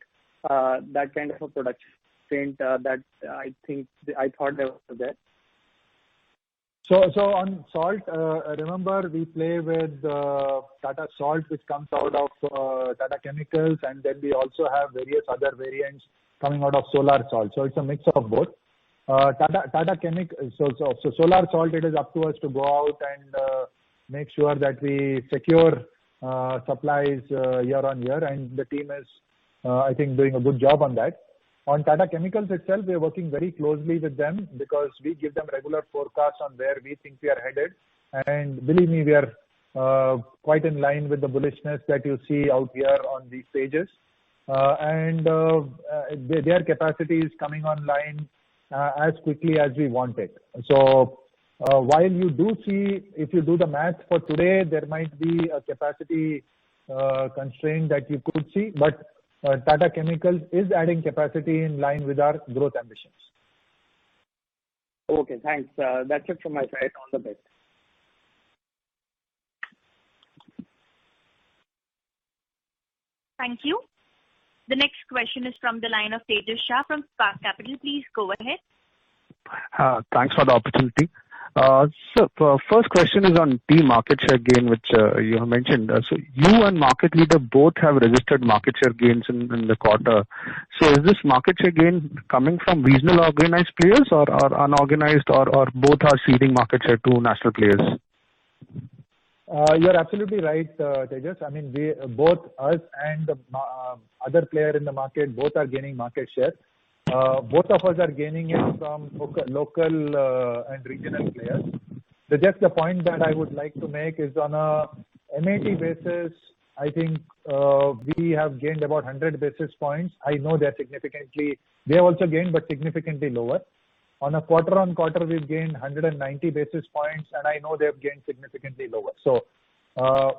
that kind of a production constraint that I thought was there? On salt, remember we play with Tata Salt, which comes out of Tata Chemicals, and then we also have various other variants coming out of solar salt. It's a mix of both. Solar salt, it is up to us to go out and make sure that we secure supplies year on year, and the team is, I think, doing a good job on that. On Tata Chemicals itself, we are working very closely with them because we give them regular forecasts on where we think we are headed. Believe me, we are quite in line with the bullishness that you see out here on these pages. Their capacity is coming online as quickly as we want it. While you do see if you do the math for today, there might be a capacity constraint that you could see, but Tata Chemicals is adding capacity in line with our growth ambitions. Okay, thanks. That's it from my side. All the best. Thank you. The next question is from the line of Tejas Shah from Spark Capital. Please go ahead. Thanks for the opportunity. First question is on tea market share gain, which you have mentioned. You and market leader both have registered market share gains in the quarter. Is this market share gain coming from regional organized players or unorganized or both are ceding market share to national players? You're absolutely right, Tejas. Both us and the other player in the market, both are gaining market share. Both of us are gaining it from local and regional players. Tejas, the point that I would like to make is on a MAT basis, I think we have gained about 100 basis points. I know they have also gained but significantly lower. On a quarter-on-quarter, we've gained 190 basis points, and I know they've gained significantly lower.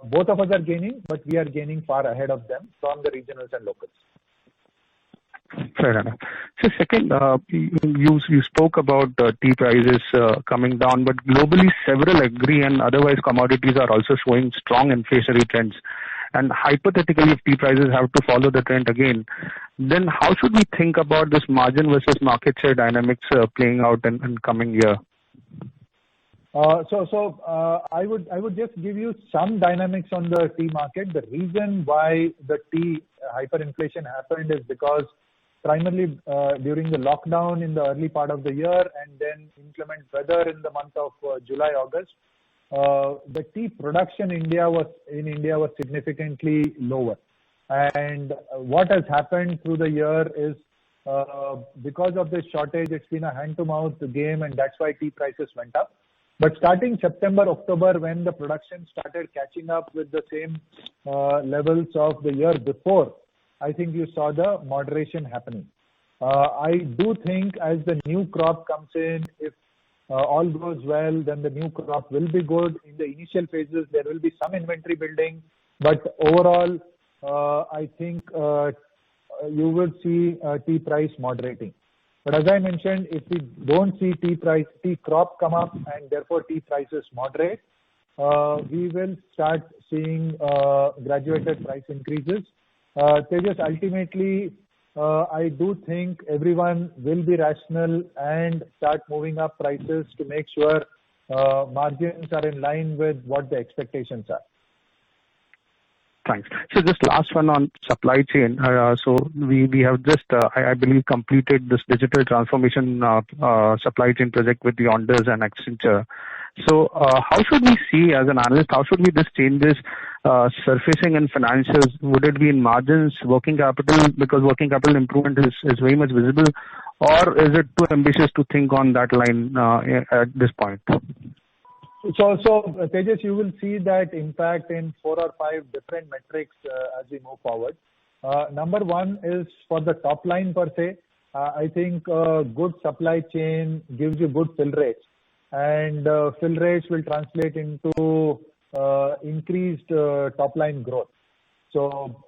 Both of us are gaining, but we are gaining far ahead of them from the regionals and locals. Fair enough. Second, you spoke about tea prices coming down, but globally, several agri and otherwise commodities are also showing strong inflationary trends. Hypothetically, if tea prices have to follow the trend again, then how should we think about this margin versus market share dynamics playing out in coming year? I would just give you some dynamics on the tea market. The reason why the tea hyperinflation happened is because primarily, during the lockdown in the early part of the year, and then inclement weather in the month of July, August, the tea production in India was significantly lower. What has happened through the year is because of this shortage, it's been a hand-to-mouth game, and that's why tea prices went up. Starting September, October, when the production started catching up with the same levels of the year before, I think you saw the moderation happening. I do think as the new crop comes in, if all goes well, then the new crop will be good. In the initial phases, there will be some inventory building, but overall, I think you will see tea price moderating. As I mentioned, if we don't see tea crop come up, and therefore tea prices moderate, we will start seeing graduated price increases. Tejas, ultimately, I do think everyone will be rational and start moving up prices to make sure margins are in line with what the expectations are. Thanks. Just last one on supply chain. We have just, I believe, completed this digital transformation supply chain project with the Blue Yonder and Accenture. How should we see as an analyst, how should we these changes surfacing in financials, would it be in margins, working capital, because working capital improvement is very much visible? Or is it too ambitious to think on that line at this point? Tejas, you will see that impact in four or five different metrics as we move forward. Number one is for the top line per se. I think a good supply chain gives you good fill rates, and fill rates will translate into increased top-line growth.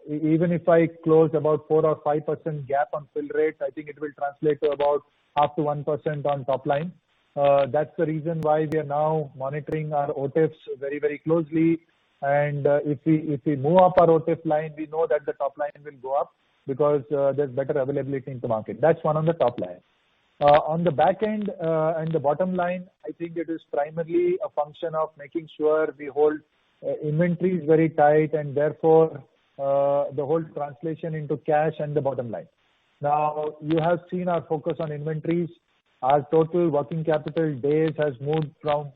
Even if I close about 4% or 5% gap on fill rates, I think it will translate to about up to 1% on top line. That's the reason why we are now monitoring our OTIFs very closely. If we move up our OTIF line, we know that the top line will go up because there's better availability in the market. That's one on the top line. On the back end and the bottom line, I think it is primarily a function of making sure we hold inventories very tight and therefore, the whole translation into cash and the bottom line. You have seen our focus on inventories. Our total working capital days has moved from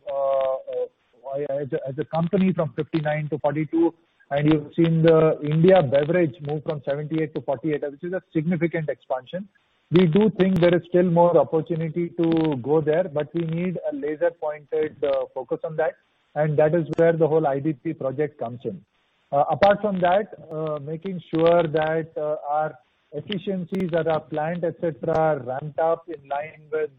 as a company from 59-42, and you've seen the India beverage move from 78-48, which is a significant expansion. We do think there is still more opportunity to go there, but we need a laser-pointed focus on that, and that is where the whole IBP project comes in. Apart from that, making sure that our efficiencies at our plant, et cetera, are ramped up in line with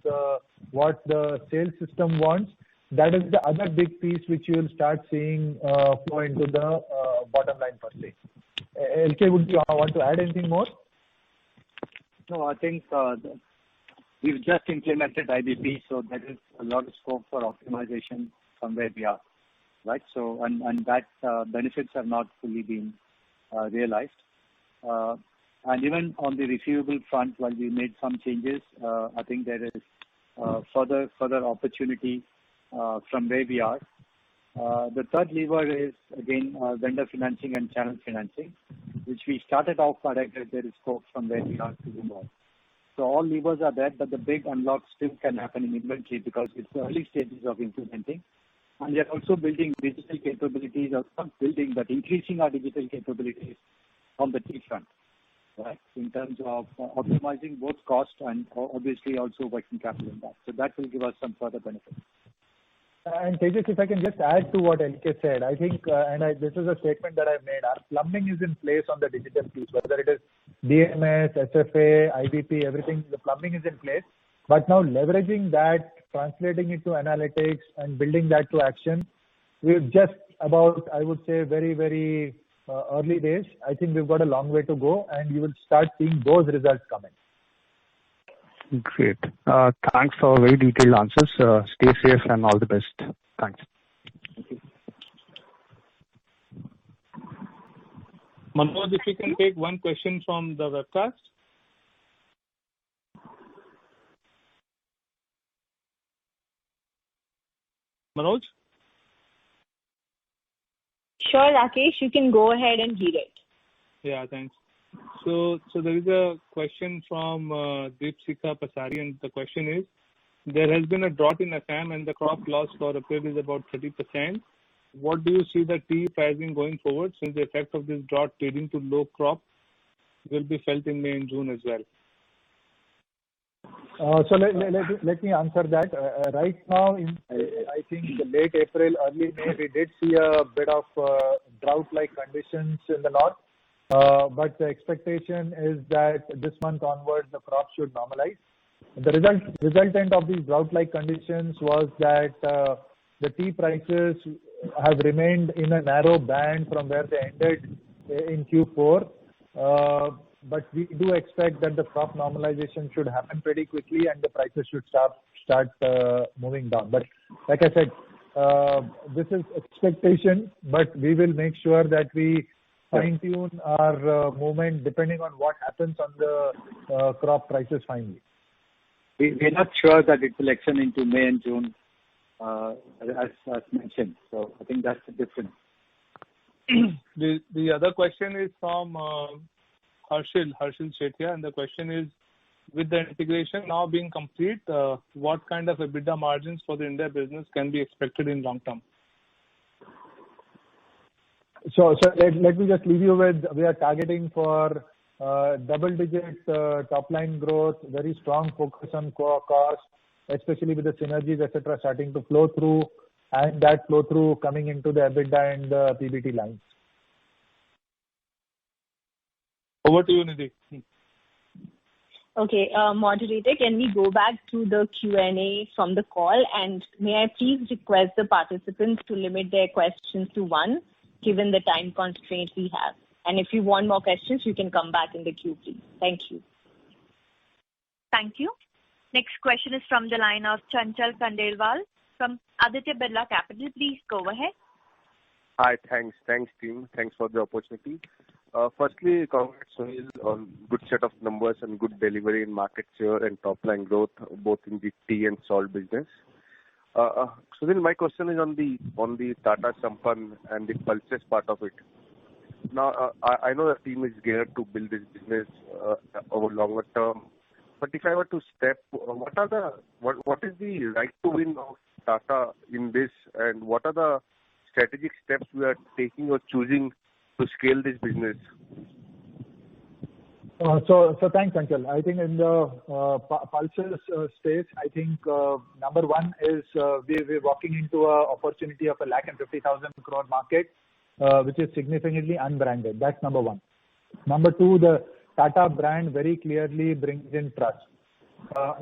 what the sales system wants. That is the other big piece which you will start seeing flow into the bottom line firstly. LK, would you want to add anything more? No, I think we've just implemented IBP. That is a lot of scope for optimization from where we are. Right? That benefits have not fully been realized. Even on the receivables front, while we made some changes, I think there is further opportunity from where we are. The third lever is again, vendor financing and channel financing, which we started off but I think there is scope from where we are to do more. All levers are there, but the big unlock still can happen in inventory because it's early stages of implementing. We are also building digital capabilities, or not building, but increasing our digital capabilities from the tea front. Right? In terms of optimizing both cost and obviously also working capital in that. That will give us some further benefit. Tejas, if I can just add to what LK said, I think, and this is a statement that I've made, our plumbing is in place on the digital piece, whether it is DMS, SFA, IBP, everything, the plumbing is in place. Now leveraging that, translating into analytics and building that to action, we're just about, I would say, very early days. I think we've got a long way to go, and we will start seeing those results coming. Great. Thanks for very detailed answers. Stay safe and all the best. Thanks. Thank you. Manoj, if we can take one question from the webcast. Manoj? Sure, Rakesh, you can go ahead and read it. Yeah, thanks. There is a question from Deepika Pasari, and the question is: There has been a drought in Assam and the crop loss for April is about 30%. What do you see the tea pricing going forward, since the effect of this drought leading to low crop will be felt in May and June as well? Let me answer that. Right now, I think in the late April, early May, we did see a bit of drought-like conditions in the north. The expectation is that this month onwards, the crops should normalize. The resultant of these drought-like conditions was that the tea prices have remained in a narrow band from where they ended in Q4. We do expect that the crop normalization should happen pretty quickly and the prices should start moving down. Like I said, this is expectation, but we will make sure that we fine-tune our movement depending on what happens on the crop prices finally. We're not sure that it will extend into May and June, as mentioned. I think that's the difference. The other question is from Harshil Sethia, and the question is: With the integration now being complete, what kind of EBITDA margins for the India business can be expected in long term? Let me just leave you with, we are targeting for double-digit top-line growth, very strong focus on core costs, especially with the synergies, et cetera, starting to flow through, and that flow-through coming into the EBITDA and PBT line. Over to you, Nidhi. Okay. Moderator, can we go back to the Q&A from the call? May I please request the participants to limit their questions to one, given the time constraint we have. If you want more questions, you can come back in the queue, please. Thank you. Thank you. Next question is from the line of Chanchal Khandelwal from Aditya Birla Capital. Please go ahead. Hi, thanks. Thanks team. Thanks for the opportunity. Firstly, congrats, Sunil, on good set of numbers and good delivery in market share and top-line growth, both in the tea and salt business. Sunil, my question is on the Tata Sampann and the pulses part of it. Now, I know the team is geared to build this business over longer term, but if I were to step, what is the right to win of Tata in this, and what are the strategic steps we are taking or choosing to scale this business? Thanks, Chanchal. I think in the pulses space, number one is we're walking into an opportunity of an 150,000 crore market, which is significantly unbranded. That's number one. Number two, the Tata brand very clearly brings in trust.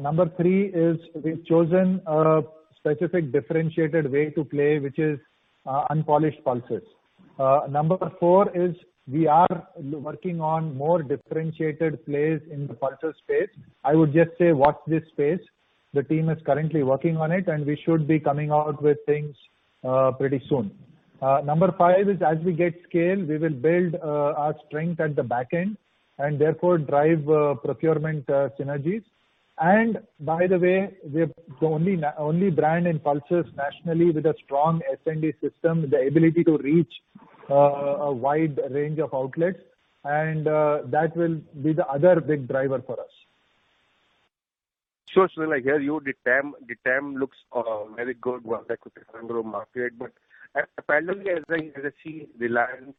Number three is we've chosen a specific differentiated way to play, which is unpolished pulses. Number four is we are working on more differentiated plays in the pulses space. I would just say watch this space. The team is currently working on it. We should be coming out with things pretty soon. Number five is, as we get scale, we will build our strength at the back end and therefore drive procurement synergies. By the way, we are the only brand in pulses nationally with a strong SND system, the ability to reach a wide range of outlets, that will be the other big driver for us. Sure, Sunil. I hear you. The TAM looks very good with INR 150,000 crore market. Finally, as I see Reliance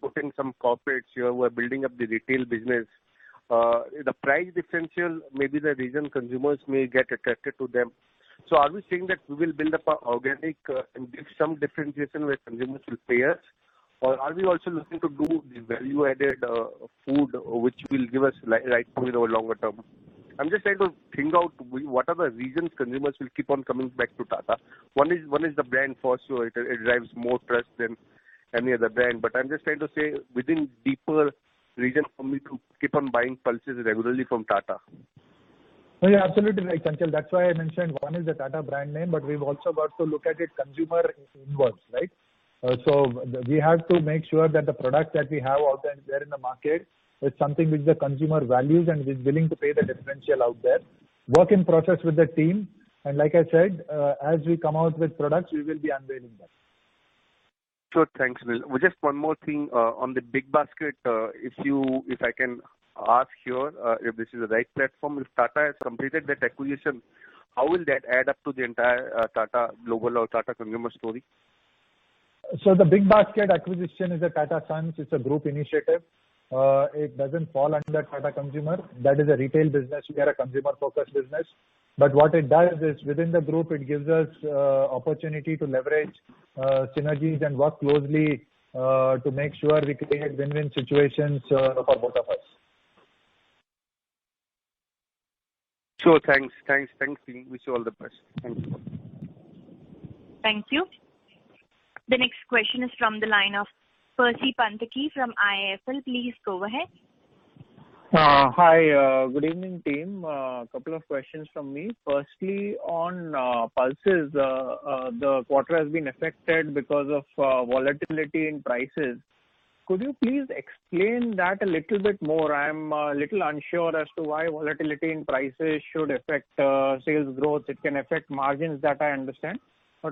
putting some corporates here who are building up the retail business, the price differential may be the reason consumers may get attracted to them. Are we saying that we will build up our organic and give some differentiation where consumers will pay us? Are we also looking to do the value-added food, which will give us right win over longer term? I'm just trying to think out what are the reasons consumers will keep on coming back to Tata. One is the brand for sure, it drives more trust than any other brand. I'm just trying to say within deeper reason for me to keep on buying pulses regularly from Tata. You're absolutely right, Chanchal. That's why I mentioned one is the Tata brand name, but we've also got to look at it consumer inwards, right? We have to make sure that the product that we have out there in the market is something which the consumer values and is willing to pay the differential out there. Work in process with the team. Like I said, as we come out with products, we will be unveiling them. Sure. Thanks, Sunil. Just one more thing on the BigBasket issue, if I can ask here if this is the right platform. If Tata has completed that acquisition, how will that add up to the entire Tata Global or Tata Consumer story? The BigBasket acquisition is a Tata Sons. It's a group initiative. It doesn't fall under Tata Consumer. That is a retail business. We are a consumer-focused business. What it does is within the group, it gives us opportunity to leverage synergies and work closely to make sure we create win-win situations for both of us. Sure. Thanks. Wish you all the best. Thank you. Thank you. The next question is from the line of Percy Panthaki from IIFL. Please go ahead. Hi. Good evening, team. A couple of questions from me. Firstly, on pulses, the quarter has been affected because of volatility in prices. Could you please explain that a little bit more? I'm a little unsure as to why volatility in prices should affect sales growth. It can affect margins, that I understand.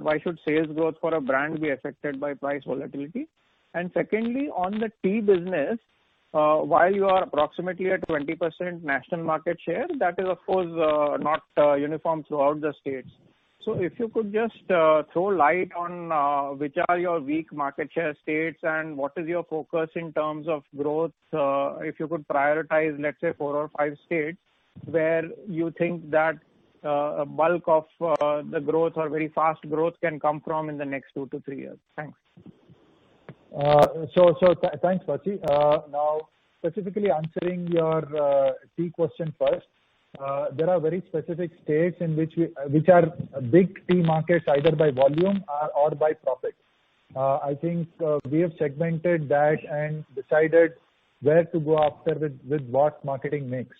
Why should sales growth for a brand be affected by price volatility? Secondly, on the tea business, while you are approximately at % national market share, that is, of course, not uniform throughout the states. If you could just throw light on which are your weak market share states, and what is your focus in terms of growth? If you could prioritize, let's say four or five states, where you think that a bulk of the growth or very fast growth can come from in the next two to three years. Thanks. Thanks, Percy. Specifically answering your tea question first. There are very specific states which are big tea markets, either by volume or by profit. I think we have segmented that and decided where to go after with what marketing mix.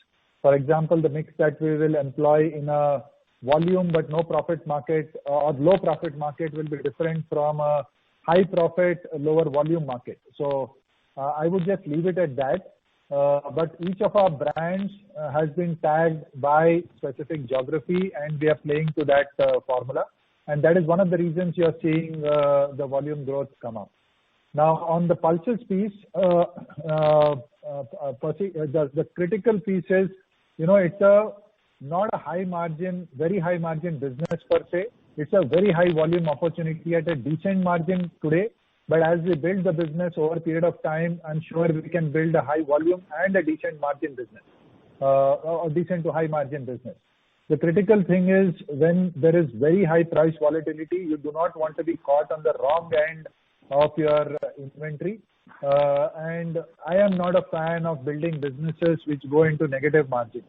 For example, the mix that we will employ in a volume but no profit market or low-profit market will be different from a high-profit, lower volume market. I would just leave it at that. Each of our brands has been tagged by specific geography, and we are playing to that formula. That is one of the reasons you are seeing the volume growth come up. On the pulses piece, Percy, the critical piece is it's not a very high-margin business per se. It's a very high-volume opportunity at a decent margin today. As we build the business over a period of time, I'm sure we can build a high volume and a decent margin business, or decent to high-margin business. The critical thing is when there is very high price volatility, you do not want to be caught on the wrong end of your inventory. I am not a fan of building businesses which go into negative margins.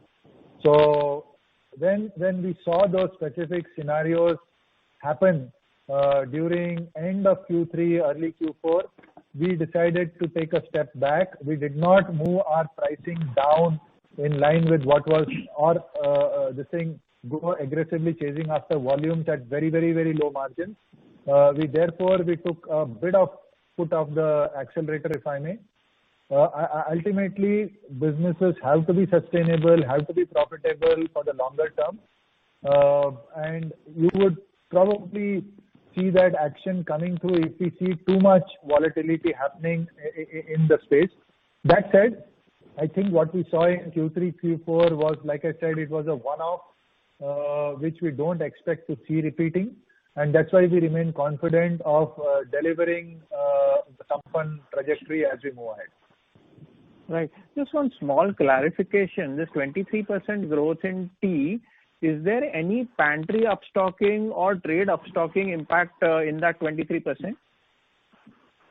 When we saw those specific scenarios happen, during end of Q3, early Q4, we decided to take a step back. We did not move our pricing down in line with or grow aggressively, chasing after volumes at very low margins. We took a bit of foot off the accelerator, if I may. Businesses have to be sustainable, have to be profitable for the longer term. We would probably see that action coming through if we see too much volatility happening in the space. That said, I think what we saw in Q3, Q4 was, like I said, it was a one-off, which we don't expect to see repeating, and that's why we remain confident of delivering the compound trajectory as we move ahead. Right. Just one small clarification. This 23% growth in tea, is there any pantry upstocking or trade upstocking impact in that 23%?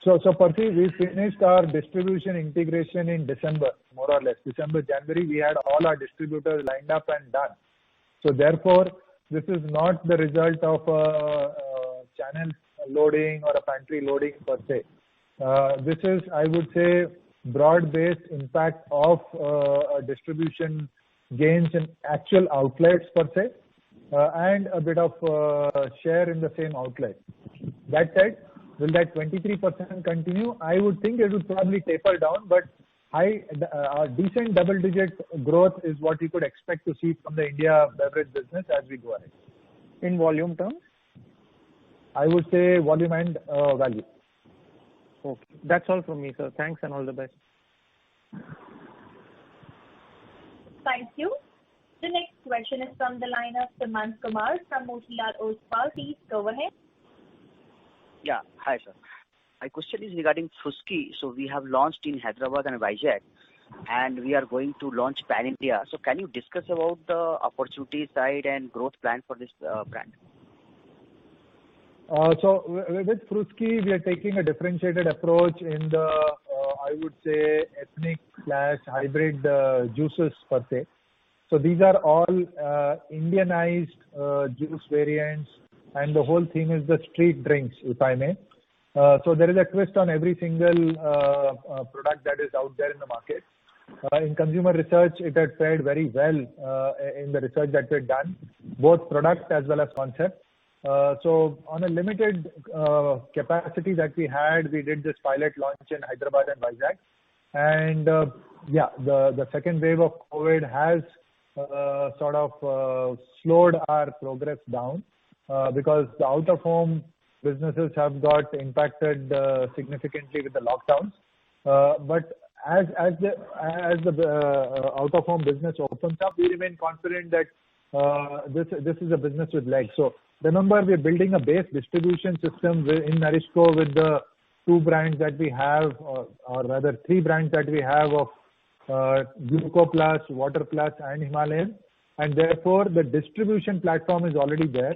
Percy, we finished our distribution integration in December, more or less. December, January, we had all our distributors lined up and done. This is not the result of a channel loading or a pantry loading per se. This is, I would say, broad-based impact of distribution gains in actual outlets, per se, and a bit of share in the same outlet. That said, will that 23% continue? I would think it would probably taper down, but a decent double-digit growth is what you could expect to see from the India beverage business as we go ahead. In volume terms? I would say volume and value. Okay. That's all from me, sir. Thanks, and all the best. Thank you. The next question is from the line of Sumant Kumar from Motilal Oswal. Please go ahead. Yeah. Hi, sir. My question is regarding Fruski. We have launched in Hyderabad and Vizag, and we are going to launch pan-India. Can you discuss about the opportunity side and growth plan for this brand? With Fruski, we are taking a differentiated approach in the, I would say, ethnic/hybrid juices per se. These are all Indianized juice variants, and the whole thing is the street drinks, if I may. There is a twist on every single product that is out there in the market. In consumer research, it had fared very well in the research that we had done, both product as well as concept. On a limited capacity that we had, we did this pilot launch in Hyderabad and Vizag. Yeah, the second wave of COVID has sort of slowed our progress down because the out-of-home businesses have got impacted significantly with the lockdowns. As the out-of-home business opens up, we remain confident that this is a business with legs. Remember, we are building a base distribution system in NourishCo with the two brands that we have, or rather three brands that we have of Tata Gluco+, Tata Water Plus, and Himalayan. Therefore, the distribution platform is already there.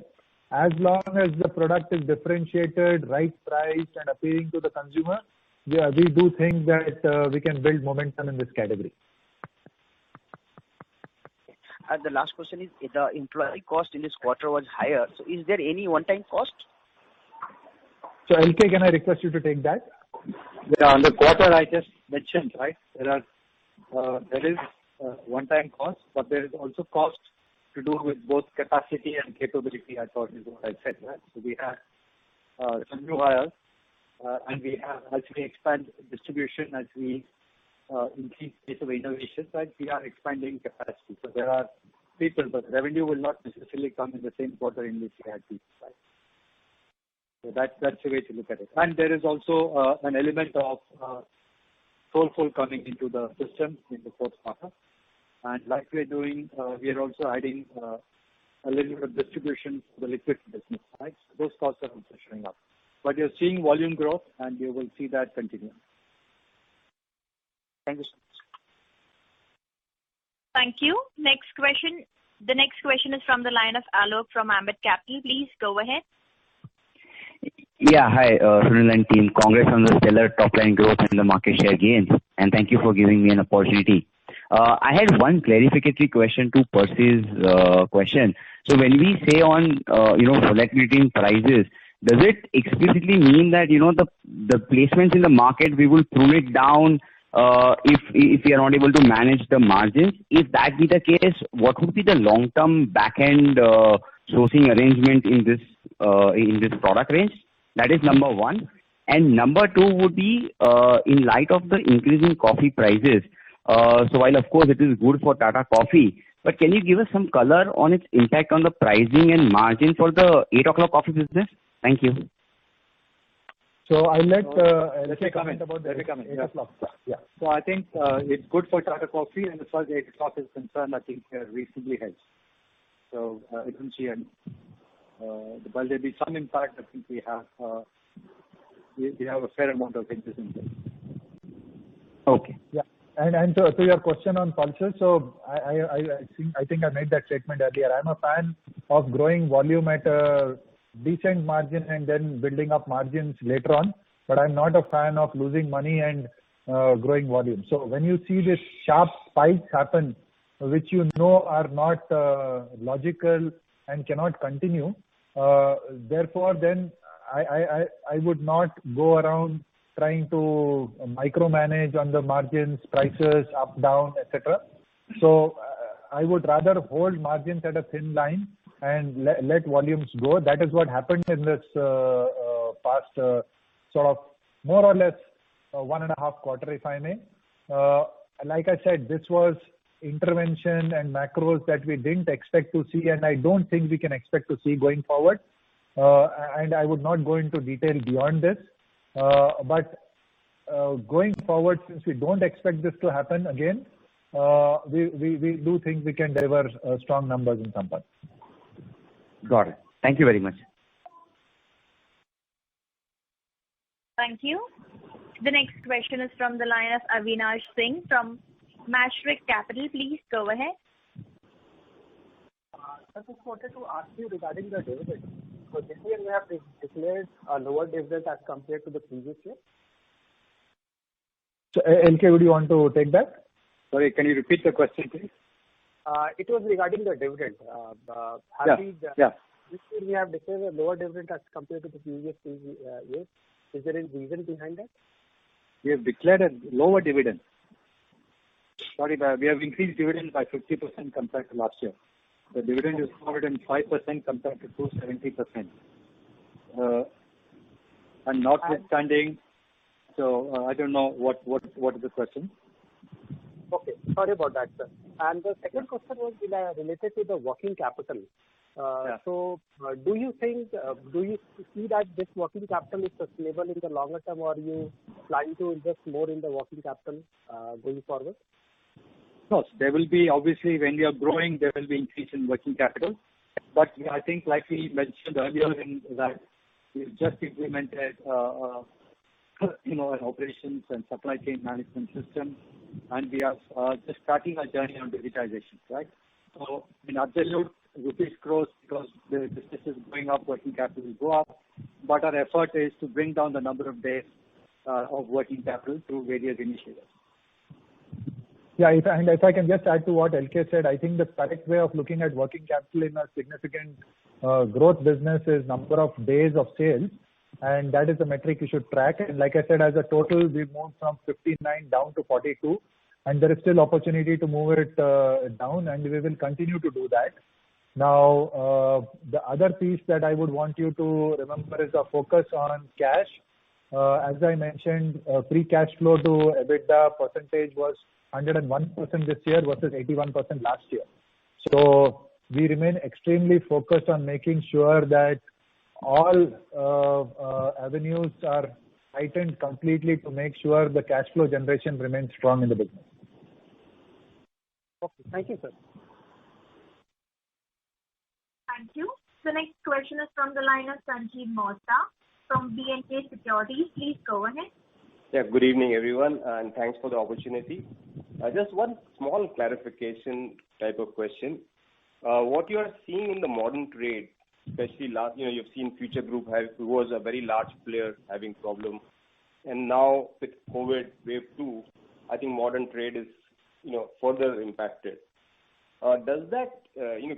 As long as the product is differentiated, right priced, and appealing to the consumer, we do think that we can build momentum in this category. The last question is, the employee cost in this quarter was higher, so is there any one-time cost? LK, can I request you to take that? On the quarter I just mentioned, there is one-time cost. There is also cost to do with both capacity and capability. I thought you would have said that. We have some new hires, and we have, as we expand distribution, as we increase pace of innovation, we are expanding capacity. There are people. Revenue will not necessarily come in the same quarter in which they are hired. That's the way to look at it. There is also an element of Soulfull coming into the system in the fourth quarter. Like we are doing, we are also adding a little bit of distribution to the liquid business. Those costs are also showing up. We are seeing volume growth, and we will see that continuing. Thank you so much. Thank you. The next question is from the line of Alok from Ambit Capital. Please go ahead. Hi, Sunil and team. Congrats on the stellar top-line growth and the market share gains. Thank you for giving me an opportunity. I had one clarificatory question to Percy's question. When we say on selectivity in prices, does it explicitly mean that the placements in the market, we will prune it down if we are not able to manage the margins? If that be the case, what would be the long-term back end sourcing arrangement in this product range? That is number one. Number two would be, in light of the increasing coffee prices. While of course it is good for Tata Coffee, but can you give us some color on its impact on the pricing and margin for the Eight O'Clock Coffee business? Thank you. I'll let LK comment. Let me comment about Eight O'Clock. Yeah. I think, it's good for Tata Coffee, and as far as Eight O'Clock is concerned, I think we are reasonably hedged. Well, there'll be some impact. I think we have a fair amount of hedges in place. Okay. Yeah. To your question on pulses, I think I made that statement earlier. I'm a fan of growing volume at a decent margin and then building up margins later on, but I'm not a fan of losing money and growing volume. When you see these sharp spikes happen, which you know are not logical and cannot continue, therefore, then I would not go around trying to micromanage on the margins, prices up, down, et cetera. I would rather hold margins at a thin line and let volumes grow. That is what happened in this past more or less one and a half quarter, if I may. Like I said, this was intervention and macros that we didn't expect to see, and I don't think we can expect to see going forward. I would not go into detail beyond this. Going forward, since we don't expect this to happen again, we do think we can deliver strong numbers in Sampann. Got it. Thank you very much. Thank you. The next question is from the line of Avinash Singh from Mashreq Capital. Please go ahead. Sir, just wanted to ask you regarding the dividend. This year we have declared a lower dividend as compared to the previous year. LK, do you want to take that? Sorry, can you repeat the question, please? It was regarding the dividend. Yeah. This year we have declared a lower dividend as compared to the previous years. Is there any reason behind that? We have declared a lower dividend. Sorry, we have increased dividend by 50% compared to last year. The dividend is 405% compared to 270%. Notwithstanding, I don't know what is the question. Okay. Sorry about that, sir. The second question was related to the working capital. Yeah. Do you see that this working capital is sustainable in the longer term, or you plan to invest more in the working capital going forward? No. Obviously, when we are growing, there will be increase in working capital. I think like we mentioned earlier, is that we just implemented operations and supply chain management system, and we are just starting our journey on digitization. In absolute rupees growth, because the business is going up, working capital will go up, but our effort is to bring down the number of days of working capital through various initiatives. Yeah. If I can just add to what LK said, I think the correct way of looking at working capital in a significant growth business is number of days of sales, and that is the metric you should track. Like I said, as a total, we've moved from 59 down to 42, and there is still opportunity to move it down, and we will continue to do that. The other piece that I would want you to remember is our focus on cash. As I mentioned, free cash flow to EBITDA percentage was 101% this year versus 81% last year. We remain extremely focused on making sure that all avenues are tightened completely to make sure the cash flow generation remains strong in the business. Okay. Thank you, sir. Thank you. The next question is from the line of Sanjiv Mota from BNK Securities. Please go ahead. Yeah, good evening, everyone, and thanks for the opportunity. Just one small clarification type of question. What you are seeing in the modern trade, especially you've seen Future Group who was a very large player having problems, and now with COVID wave two, I think modern trade is further impacted. Does that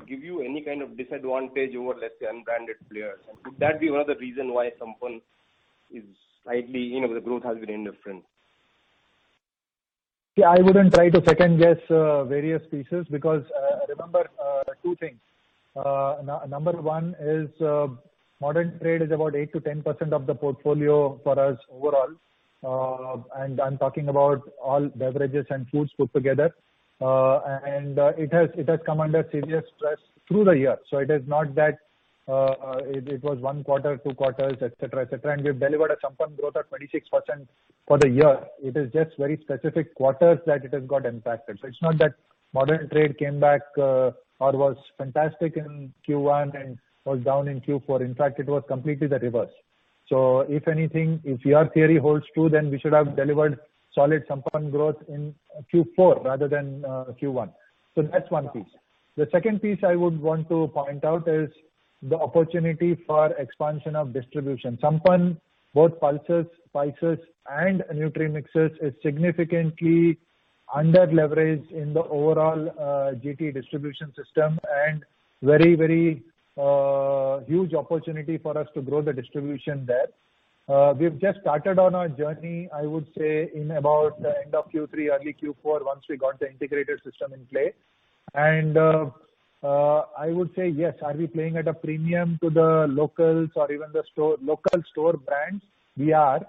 give you any kind of disadvantage over, let's say, unbranded players? Could that be one of the reason why Sampann growth has been indifferent? I wouldn't try to second-guess various pieces, because remember two things. Number one is modern trade is about 8%-10% of the portfolio for us overall. I'm talking about all beverages and foods put together. It has come under serious stress through the year. It is not that it was one quarter, two quarters, et cetera. We've delivered a Sampann growth of 26% for the year. It is just very specific quarters that it has got impacted. It's not that modern trade came back or was fantastic in Q1 and was down in Q4. In fact, it was completely the reverse. If anything, if your theory holds true, we should have delivered solid Sampann growth in Q4 rather than Q1. That's one piece. The second piece I would want to point out is the opportunity for expansion of distribution. Sampann, both pulses, spices, and nutri mixes, is significantly under-leveraged in the overall GT distribution system and very huge opportunity for us to grow the distribution there. We've just started on our journey, I would say in about the end of Q3, early Q4, once we got the integrated system in play. I would say yes. Are we playing at a premium to the locals or even the local store brands? We are.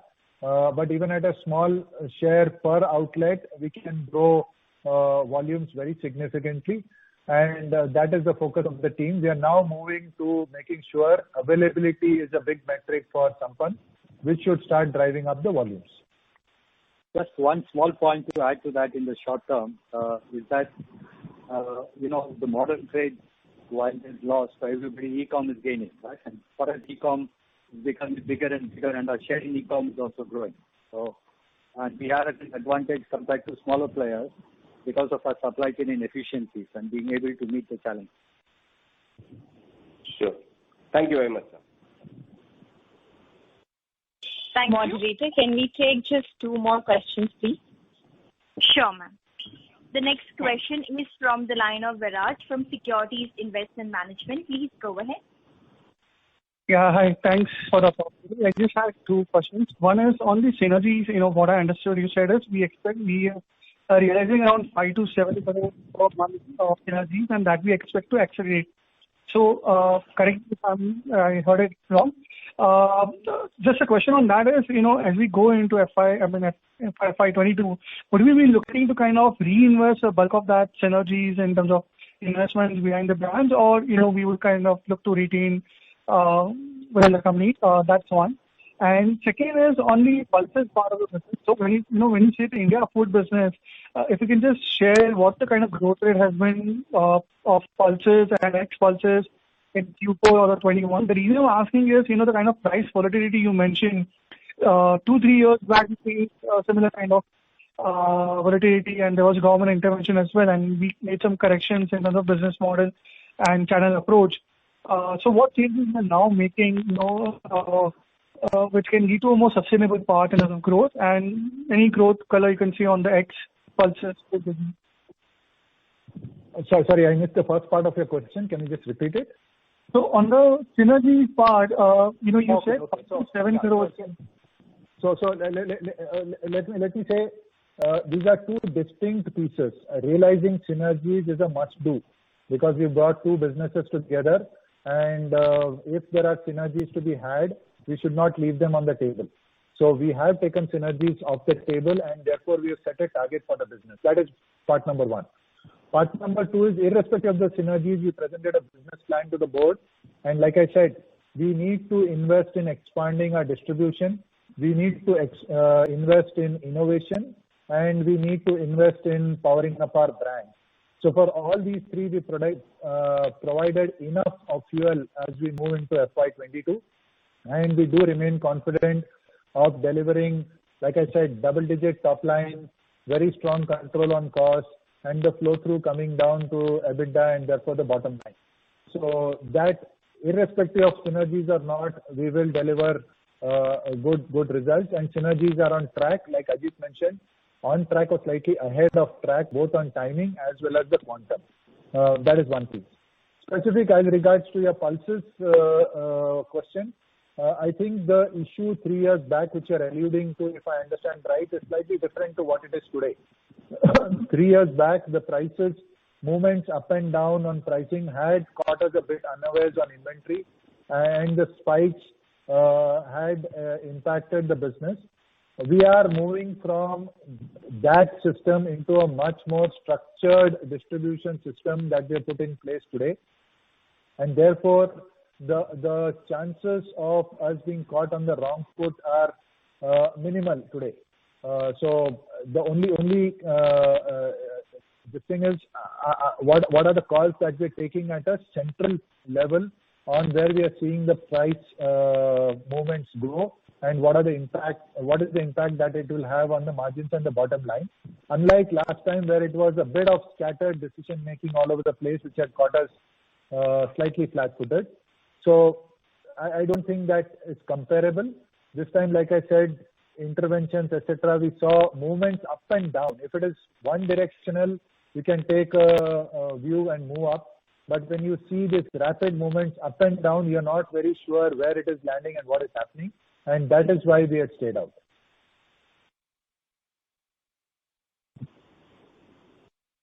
Even at a small share per outlet, we can grow volumes very significantly, and that is the focus of the team. We are now moving to making sure availability is a big metric for Sampann, which should start driving up the volumes. Just one small point to add to that in the short term, is that, the modern trade, while it is lost for everybody, e-com is gaining, right? For us, e-com is becoming bigger and bigger, and our share in e-com is also growing. We are at an advantage compared to smaller players because of our supply chain inefficiencies and being able to meet the challenge. Sure. Thank you very much, sir. Thank you. Moderator, can we take just two more questions, please? Sure, ma'am. The next question is from the line of Viraj from Securities Investment Management. Please go ahead. Yeah, hi. Thanks for the opportunity. I just have two questions. One is on the synergies. What I understood you said is we are realizing around 5%-7% of synergies, that we expect to accelerate. Correct me if I heard it wrong. Just a question on that is, as we go into FY 2022, would we be looking to kind of reinvest the bulk of that synergies in terms of investments behind the brands or we would kind of look to retain within the company? That's one. Second is on the pulses part of the business. When you say the India food business, if you can just share what the kind of growth rate has been of pulses and ex-pulses in Q4 of 2021. The reason I am asking is the kind of price volatility you mentioned, two, three years back, we have seen a similar kind of volatility. There was government intervention as well, and we made some corrections in terms of business model and channel approach. What changes you are now making which can lead to a more sustainable path in terms of growth? Any growth color you can share on the ex-pulses business? Sorry, I missed the first part of your question. Can you just repeat it? On the synergy part, you said 5%-7%? Let me say, these are two distinct pieces. Realizing synergies is a must-do because we've brought two businesses together, and if there are synergies to be had, we should not leave them on the table. We have taken synergies off the table, and therefore we have set a target for the business. That is part number one. Part number two is irrespective of the synergies, we presented a business plan to the board. Like I said, we need to invest in expanding our distribution. We need to invest in innovation, and we need to invest in powering up our brand. For all these three, we provided enough fuel as we move into FY 2022, and we do remain confident of delivering, like I said, double-digit top line, very strong control on cost, and the flow-through coming down to EBITDA, and therefore the bottom line. That irrespective of synergies or not, we will deliver good results. Synergies are on track, like Ajit mentioned, on track or slightly ahead of track, both on timing as well as the quantum. That is one piece. Specific in regards to your pulses question, I think the issue three years back, which you're alluding to, if I understand right, is slightly different to what it is today. Three years back, the prices, movements up and down on pricing had caught us a bit unawares on inventory, and the spikes had impacted the business. We are moving from that system into a much more structured distribution system that we have put in place today. Therefore, the chances of us being caught on the wrong foot are minimal today. The only thing is, what are the calls that we're taking at a central level on where we are seeing the price movements go, and what is the impact that it will have on the margins and the bottom line? Unlike last time, where it was a bit of scattered decision-making all over the place, which had caught us slightly flat-footed. I don't think that it's comparable. This time, like I said, interventions, et cetera, we saw movements up and down. If it is one-directional, you can take a view and move up. When you see these rapid movements up and down, you're not very sure where it is landing and what is happening, and that is why we had stayed out.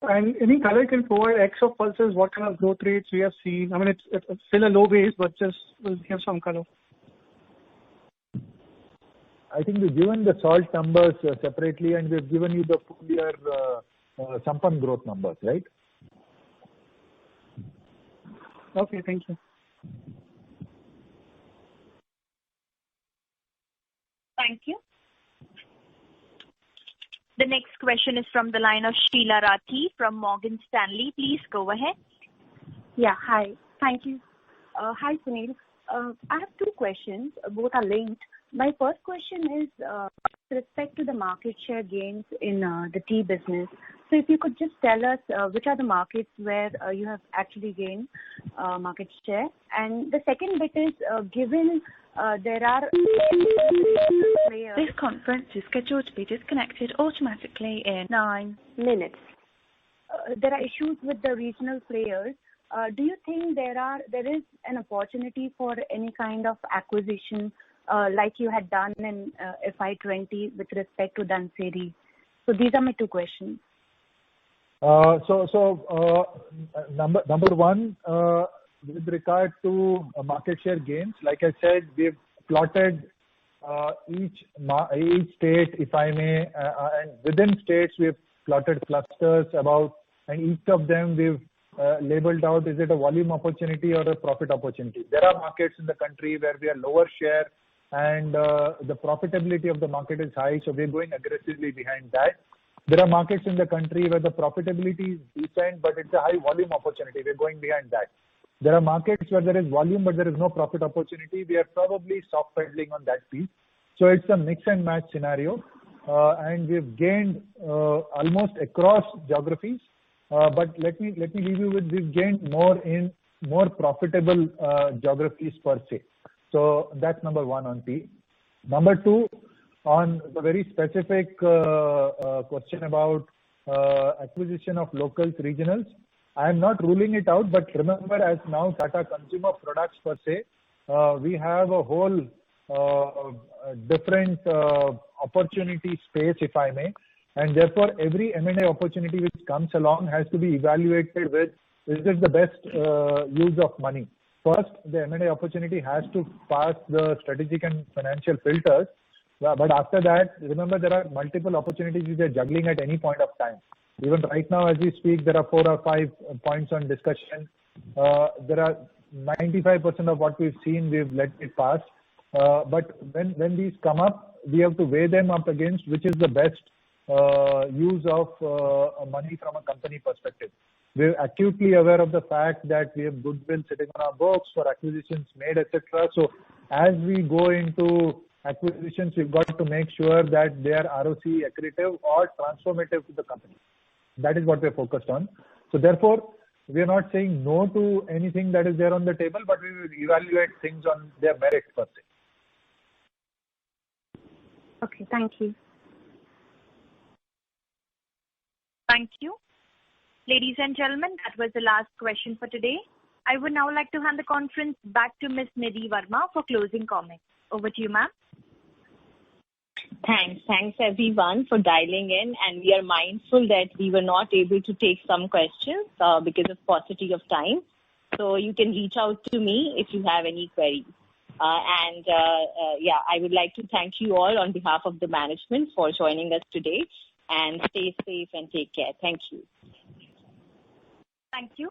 Any color you can provide, ex of pulses, what kind of growth rates we are seeing? I mean, it's still a low base, but just if you have some color. I think we've given the salt numbers separately, and we've given you the full year Sampann growth numbers, right? Okay, thank you. Thank you. The next question is from the line of Sheela Rathi from Morgan Stanley. Please go ahead. Yeah. Hi. Thank you. Hi, Sunil. I have two questions. Both are linked. My first question is with respect to the market share gains in the tea business. If you could just tell us which are the markets where you have actually gained market share. The second bit is, given there are. This conference is scheduled to be disconnected automatically in nine minutes. There are issues with the regional players. Do you think there is an opportunity for any kind of acquisition like you had done in FY 2020 with respect to Dhunseri? These are my two questions. Number one, with regard to market share gains, like I said, we've plotted each state, if I may, and within states, we've plotted clusters. Each of them we've labeled out, is it a volume opportunity or a profit opportunity? There are markets in the country where we are lower share and the profitability of the market is high, we're going aggressively behind that. There are markets in the country where the profitability is decent, it's a high volume opportunity. We're going behind that. There are markets where there is volume, there is no profit opportunity. We are probably soft-pedaling on that piece. It's a mix and match scenario. We've gained almost across geographies. Let me leave you with we've gained more in more profitable geographies per se. That's number one on tea. Number two, on the very specific question about acquisition of local regionals. I am not ruling it out, but remember, as now Tata Consumer Products per se, we have a whole different opportunity space, if I may. Therefore, every M&A opportunity which comes along has to be evaluated with, is this the best use of money? First, the M&A opportunity has to pass the strategic and financial filters. After that, remember, there are multiple opportunities we are juggling at any point of time. Even right now as we speak, there are four or five points on discussion. There are 95% of what we've seen, we've let it pass. When these come up, we have to weigh them up against which is the best use of money from a company perspective. We're acutely aware of the fact that we have goodwill sitting on our books for acquisitions made, et cetera. As we go into acquisitions, we've got to make sure that they are ROC accretive or transformative to the company. That is what we're focused on. Therefore, we are not saying no to anything that is there on the table, but we will evaluate things on their merits per se. Okay. Thank you. Thank you. Ladies and gentlemen, that was the last question for today. I would now like to hand the conference back to Ms. Nidhi Verma for closing comments. Over to you, ma'am. Thanks. Thanks, everyone, for dialing in. We are mindful that we were not able to take some questions because of paucity of time. You can reach out to me if you have any queries. I would like to thank you all on behalf of the management for joining us today, and stay safe and take care. Thank you. Thank you.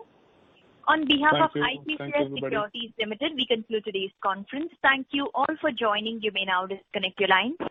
Thank you. Thanks, everybody. ICICI Securities Limited, we conclude today's conference. Thank you all for joining. You may now disconnect your lines.